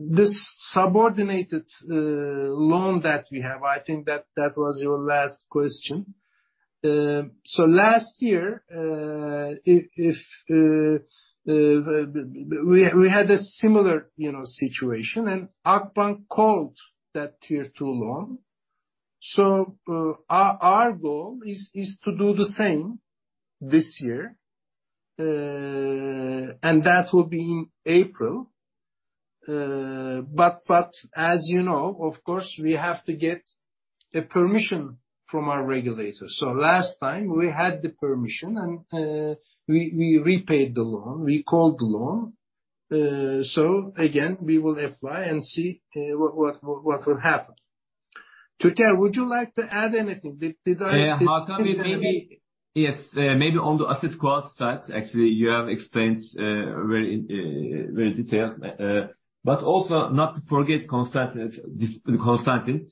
This subordinated loan that we have, I think that was your last question. Last year, if we had a similar, you know, situation, and Akbank called that Tier 2 loan. Our goal is to do the same this year, and that will be in April. But as you know, of course, we have to get a permission from our regulators. Last time we had the permission and we repaid the loan, recalled the loan. Again, we will apply and see what will happen. Türker, would you like to add anything? Did I Yeah. Hakan. Yes. Maybe on the asset quality side, actually, you have explained very detailed. Also not to forget Konstantin, this Konstantin,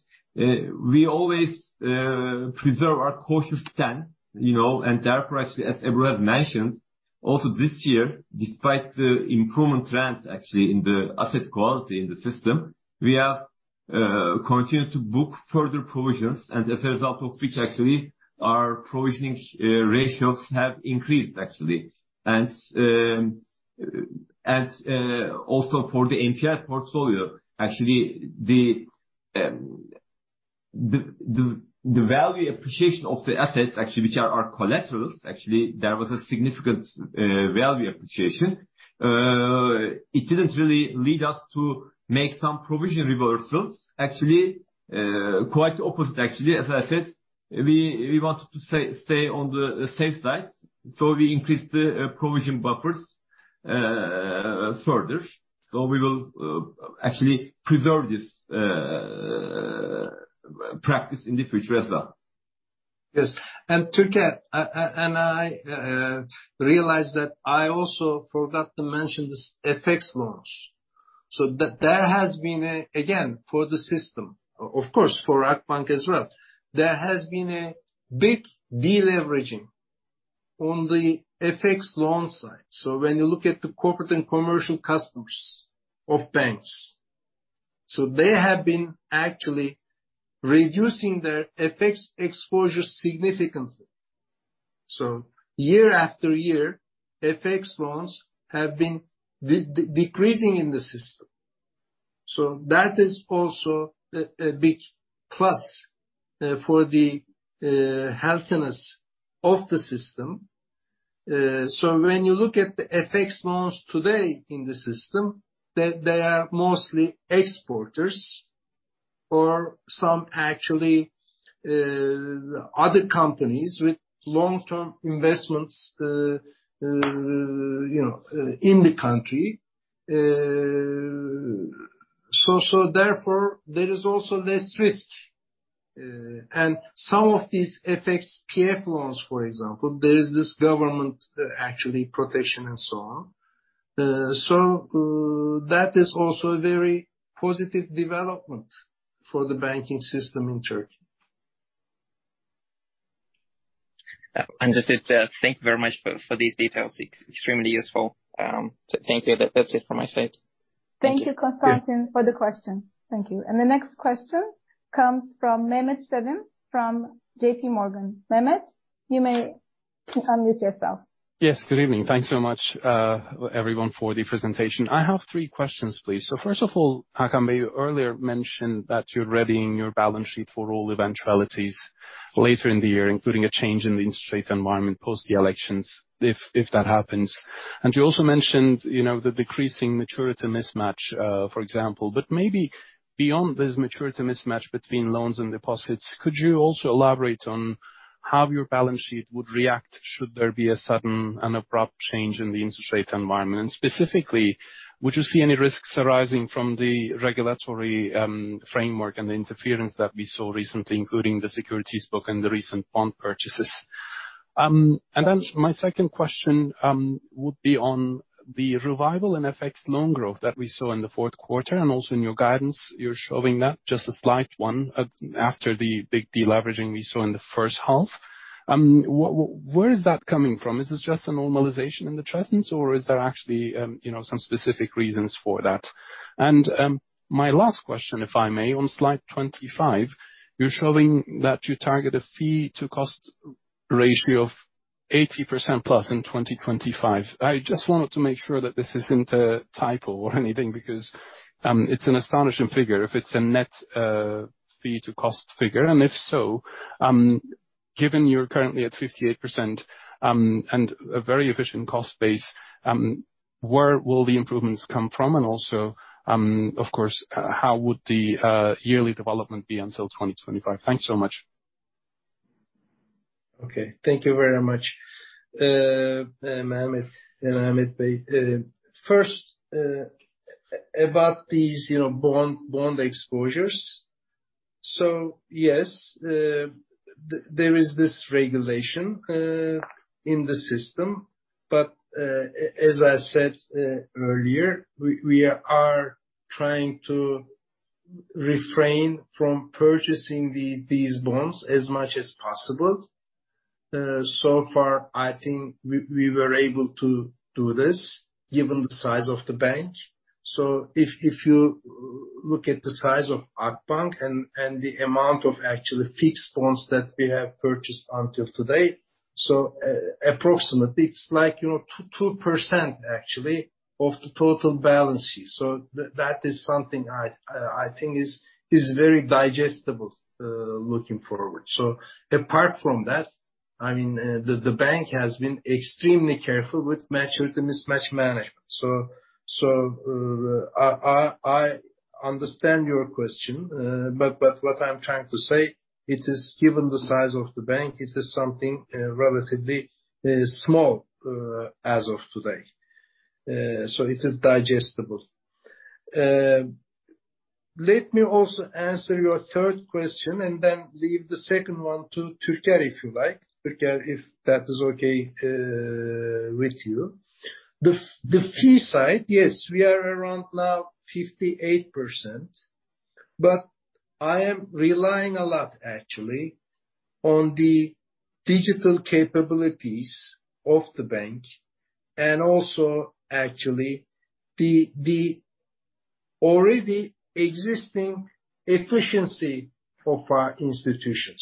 we always preserve our cautious stand, you know. Therefore, actually, as Ebru has mentioned, also this year, despite the improvement trends actually in the asset quality in the system, we have continued to book further provisions and as a result of which actually our provisioning ratios have increased actually. Also for the NPL portfolio, actually the value appreciation of the assets actually, which are our collaterals, actually there was a significant value appreciation. It didn't really lead us to make some provision reversals. Actually, quite the opposite actually. As I said, we wanted to stay on the safe side, so we increased the provision buffers further. We will actually preserve this practice in the future as well. Yes. Türker, I realized that I also forgot to mention this FX loans. That again, for the system of course for Akbank as well, there has been a big deleveraging on the FX loan side. When you look at the corporate and commercial customers of banks, they have been actually reducing their FX exposure significantly. Year after year, FX loans have been decreasing in the system. That is also a big plus for the healthiness of the system. When you look at the FX loans today in the system, they are mostly exporters or some actually other companies with long-term investments, you know, in the country. Therefore there is also less risk. Some of these FX PF loans, for example, there is this government, actually protection and so on. That is also a very positive development for the banking system in Turkey. Just to thank you very much for these details. It's extremely useful. Thank you. That's it from my side. Thank you, Konstantin, for the question. Thank you. The next question comes from Mehmet Sevim from JPMorgan. Mehmet, you may unmute yourself. Yes, good evening. Thanks so much, everyone for the presentation. I have three questions please. First of all, Hakan, you earlier mentioned that you're readying your balance sheet for all eventualities later in the year, including a change in the interest rate environment post the elections if that happens. You also mentioned, you know, the decreasing maturity mismatch, for example. Maybe beyond this maturity mismatch between loans and deposits, could you also elaborate on how your balance sheet would react should there be a sudden and abrupt change in the interest rate environment? Specifically, would you see any risks arising from the regulatory, framework and the interference that we saw recently, including the securities book and the recent bond purchases? My second question would be on the revival in FX loan growth that we saw in the fourth quarter, also in your guidance, you're showing that, just a slight one, after the big deleveraging we saw in the first half. Where is that coming from? Is this just a normalization in the trends, or is there actually, you know, some specific reasons for that? My last question, if I may, on slide 25, you're showing that you target a fee to cost ratio of 80% plus in 2025. I just wanted to make sure that this isn't a typo or anything because it's an astonishing figure if it's a net fee to cost figure. If so, given you're currently at 58%, and a very efficient cost base, where will the improvements come from? Also, of course, how would the yearly development be until 2025? Thanks so much. Thank you very much, Mehmet, Mehmet Bey. First, about these, you know, bond exposures. Yes, there is this regulation in the system, but as I said earlier, we are trying to refrain from purchasing these bonds as much as possible. So far I think we were able to do this given the size of the Bank. If you look at the size of Akbank and the amount of actually fixed bonds that we have purchased until today, approximately it's like, you know, 2% actually of the total balances. That is something I think is very digestible looking forward. Apart from that-I mean, the Bank has been extremely careful with maturity mismatch management. I understand your question. What I'm trying to say, it is given the size of the Bank, it is something relatively small as of today. It is digestible. Let me also answer your third question and then leave the second one to Türker, if you like. Türker, if that is okay with you. The fee side, yes, we are around now 58%, but I am relying a lot actually on the digital capabilities of the Bank and also actually the already existing efficiency of our institution.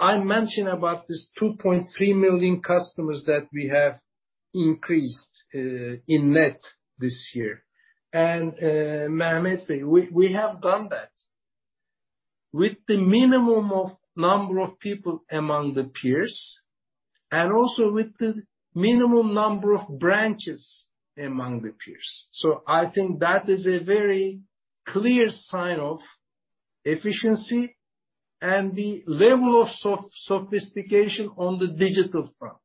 I mentioned about this 2.3 million customers that we have increased in net this year. Mehmet, we have done that with the minimum of number of people among the peers and also with the minimum number of branches among the peers. I think that is a very clear sign of efficiency and the level of sophistication on the digital front.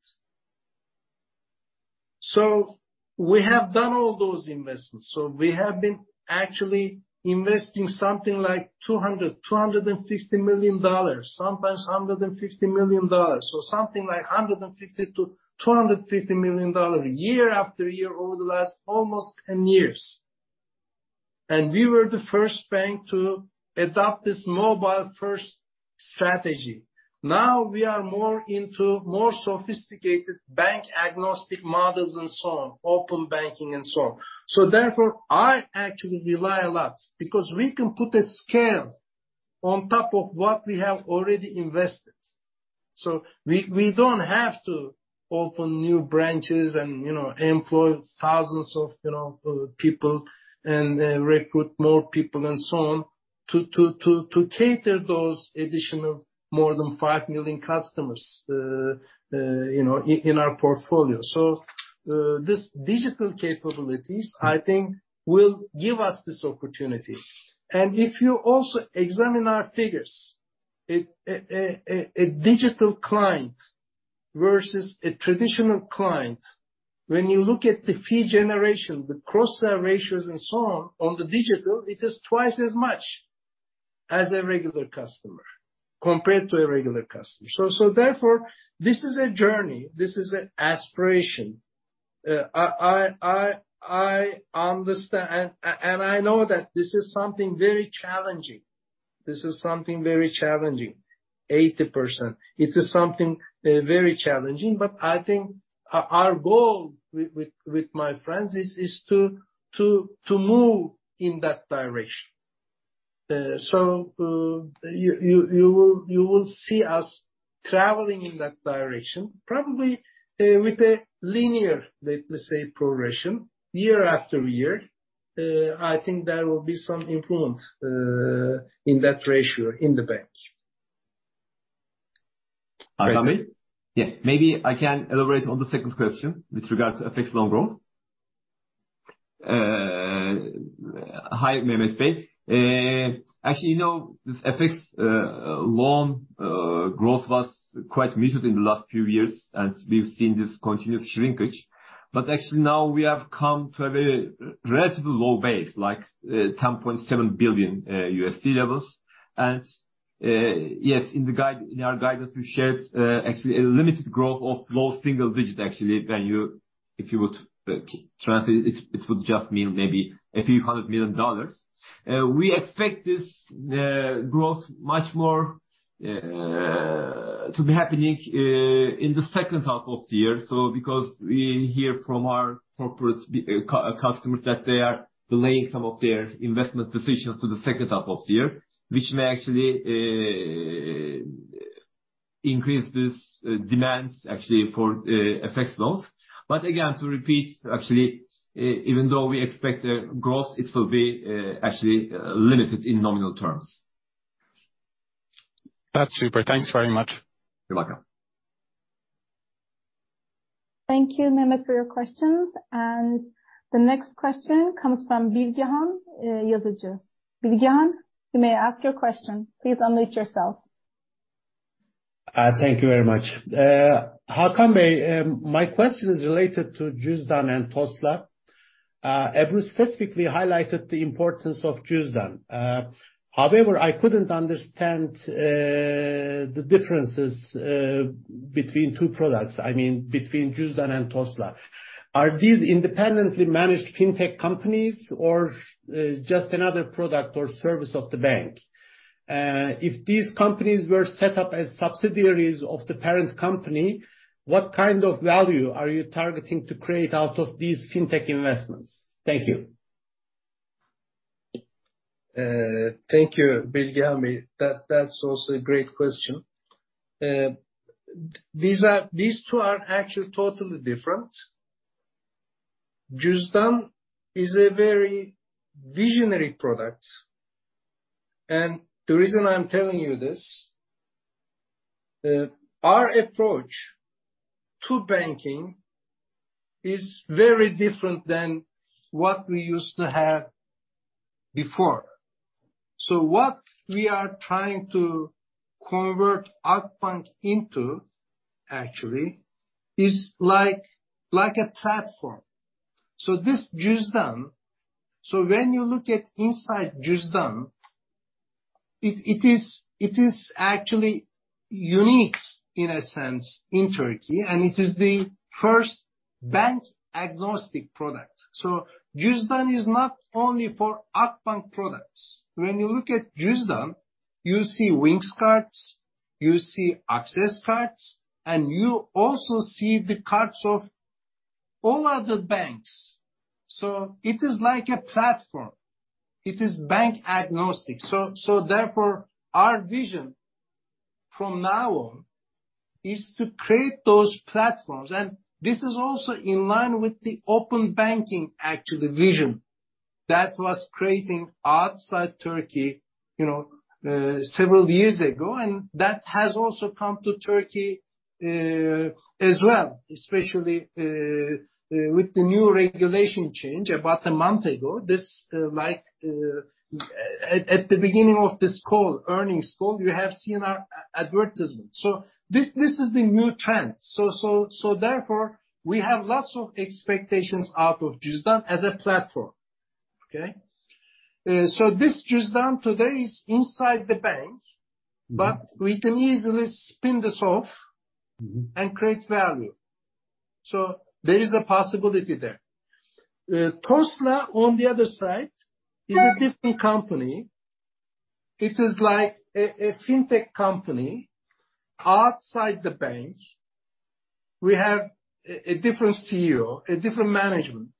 We have done all those investments. We have been actually investing something like $250 million, sometimes $150 million. Something like $150 million-$250 million year after year over the last almost 10 years. We were the first Bank to adopt this mobile first strategy. We are more into more sophisticated bank-agnostic models and so on, open banking and so on. Therefore, I actually rely a lot because we can put a scale on top of what we have already invested. We don't have to open new branches and, you know, employ thousands of, you know, people and recruit more people and so on to cater those additional more than 5 million customers, you know, in our portfolio. This digital capabilities, I think, will give us this opportunity. If you also examine our figures, a digital client versus a traditional client, when you look at the fee generation, the cross-sell ratios and so on the digital, it is twice as much as a regular customer, compared to a regular customer. Therefore, this is a journey. This is an aspiration. I understand and I know that this is something very challenging. This is something very challenging. 80%. It is something very challenging. I think our goal with my friends is to move in that direction. You will see us traveling in that direction, probably, with a linear, let's say, progression year after year. I think there will be some improvement in that ratio in the Bank. Hakan Bey. Yeah. Maybe I can elaborate on the second question with regards to FX loan growth. Hi, Mehmet Bey. Actually, you know, this FX loan growth was quite muted in the last few years, and we've seen this continuous shrinkage. Actually now we have come to a very relatively low base, like, $10.7 billion USD levels. Yes, in our guidance, we shared actually a limited growth of low single digit actually when you if you would translate, it would just mean maybe a few hundred million dollars. We expect this growth much more to be happening in the second half of the year. Because we hear from our corporate customers that they are delaying some of their investment decisions to the second half of the year, which may actually increase this demands actually for FX loans. Again, to repeat, actually, even though we expect a growth, it will be actually limited in nominal terms. That's super. Thanks very much. You're welcome. Thank you, Mehmet, for your questions. The next question comes from Bilgehan Yazici. Bilgehan, you may ask your question. Please unmute yourself. Thank you very much. Hakan Bey, my question is related to Juzdan and Tosla. Ebru specifically highlighted the importance of Juzdan. However, I couldn't understand the differences between two products. I mean, between Juzdan and Tosla. Are these independently managed fintech companies or just another product or service of the Bank? If these companies were set up as subsidiaries of the parent company, what kind of value are you targeting to create out of these fintech investments? Thank you. Thank you, Bilgehan Bey. That's also a great question. These two are actually totally different. Juzdan is a very visionary product. The reason I'm telling you this, our approach to banking is very different than what we used to have before. What we are trying to convert our Bank into actually is like a platform. This Juzdan, when you look at inside Juzdan, it is actually unique in a sense in Turkey, and it is the first bank-agnostic product. Juzdan is not only for Akbank products. When you look at Juzdan, you see Wings cards, you see Axess cards, and you also see the cards of all other banks. It is like a platform. It is bank-agnostic. Therefore, our vision from now on is to create those platforms. This is also in line with the open banking actually vision that was creating outside Türkiye, you know, several years ago. That has also come to Türkiye as well, especially with the new regulation change about a month ago. This, like, at the beginning of this call, earnings call, you have seen our advertisement. This is the new trend. Therefore, we have lots of expectations out of Juzdan as a platform. Okay? So this Juzdan today is inside the Bank- Mm-hmm. We can easily spin this off. Mm-hmm. Create value. There is a possibility there. Tosla on the other side is a different company. It is like a fintech company outside the Bank. We have a different CEO, a different management.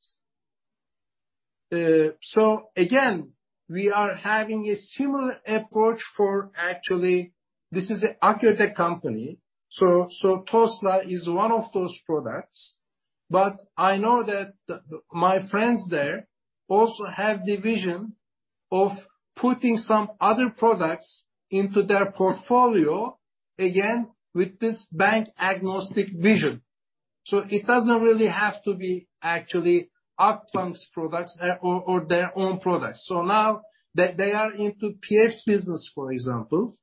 Again, we are having a similar approach. Actually, this is a [Agrotech] company, so Tosla is one of those products. I know that the my friends there also have the vision of putting some other products into their portfolio, again, with this bank-agnostic vision. It doesn't really have to be actually Akbank's products or their own products. Now they are into PH business, for example.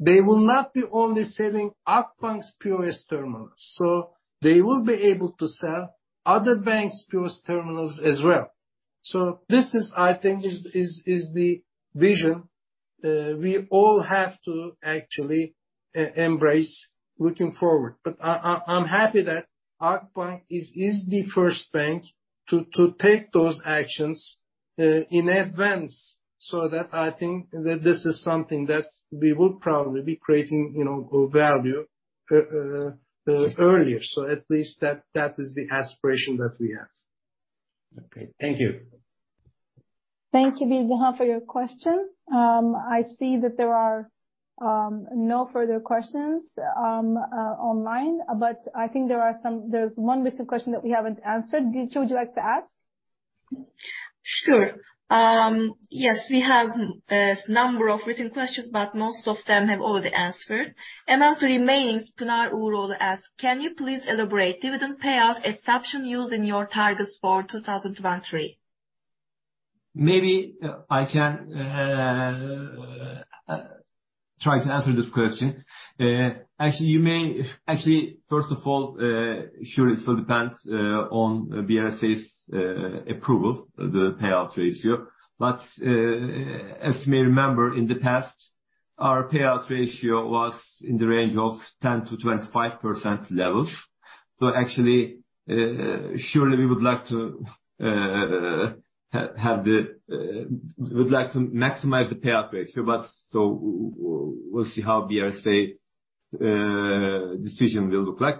They will not be only selling Akbank's POS terminals, so they will be able to sell other banks' POS terminals as well. This is, I think, is the vision we all have to actually embrace looking forward. I'm happy that Akbank is the first Bank to take those actions in advance, so that I think that this is something that we would probably be creating, you know, value earlier. At least that is the aspiration that we have. Okay. Thank you. Thank you, Bi, for your question. I see that there are no further questions online, but I think there's one written question that we haven't answered. Tuğçe, would you like to ask? Sure. Yes, we have a number of written questions, but most of them have already answered. Among the remains, Pınar Uğuroğlu asked, "Can you please elaborate dividend payout assumption using your targets for 2023? Maybe I can try to answer this question. Actually, first of all, sure, it will depend on BRSA's approval, the payout ratio. As you may remember, in the past, our payout ratio was in the range of 10%-25% levels. Actually, surely we would like to have the, we'd like to maximize the payout ratio. We'll see how BRSA decision will look like.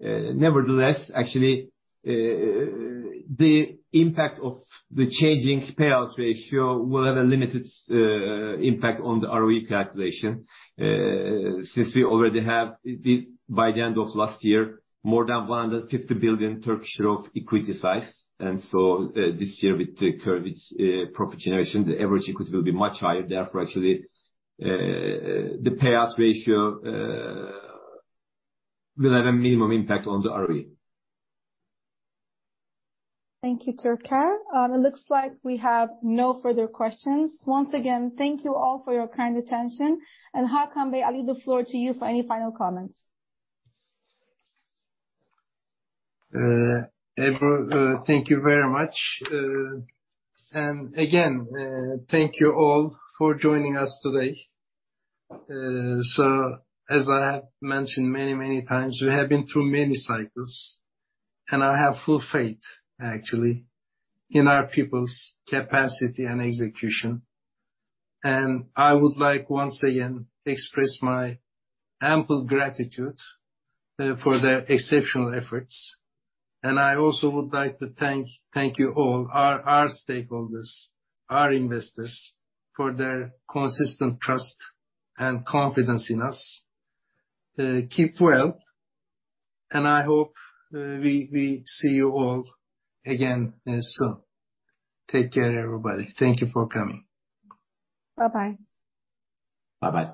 Nevertheless, actually, the impact of the changing payout ratio will have a limited impact on the ROE calculation, since we already have the, by the end of last year, more than 150 billion of equity size. This year, with the current profit generation, the average equity will be much higher. Therefore, actually, the payout ratio will have a minimum impact on the ROE. Thank you, Türker. It looks like we have no further questions. Once again, thank you all for your kind attention. Hakan Bey, I leave the floor to you for any final comments. Ebru, thank you very much. Again, thank you all for joining us today. As I have mentioned many, many times, we have been through many cycles, and I have full faith actually in our people's capacity and execution. I would like once again express my ample gratitude for their exceptional efforts. I also would like to thank you all, our stakeholders, our investors, for their consistent trust and confidence in us. Keep well, and I hope we see you all again soon. Take care, everybody. Thank you for coming. Bye-bye. Bye-bye.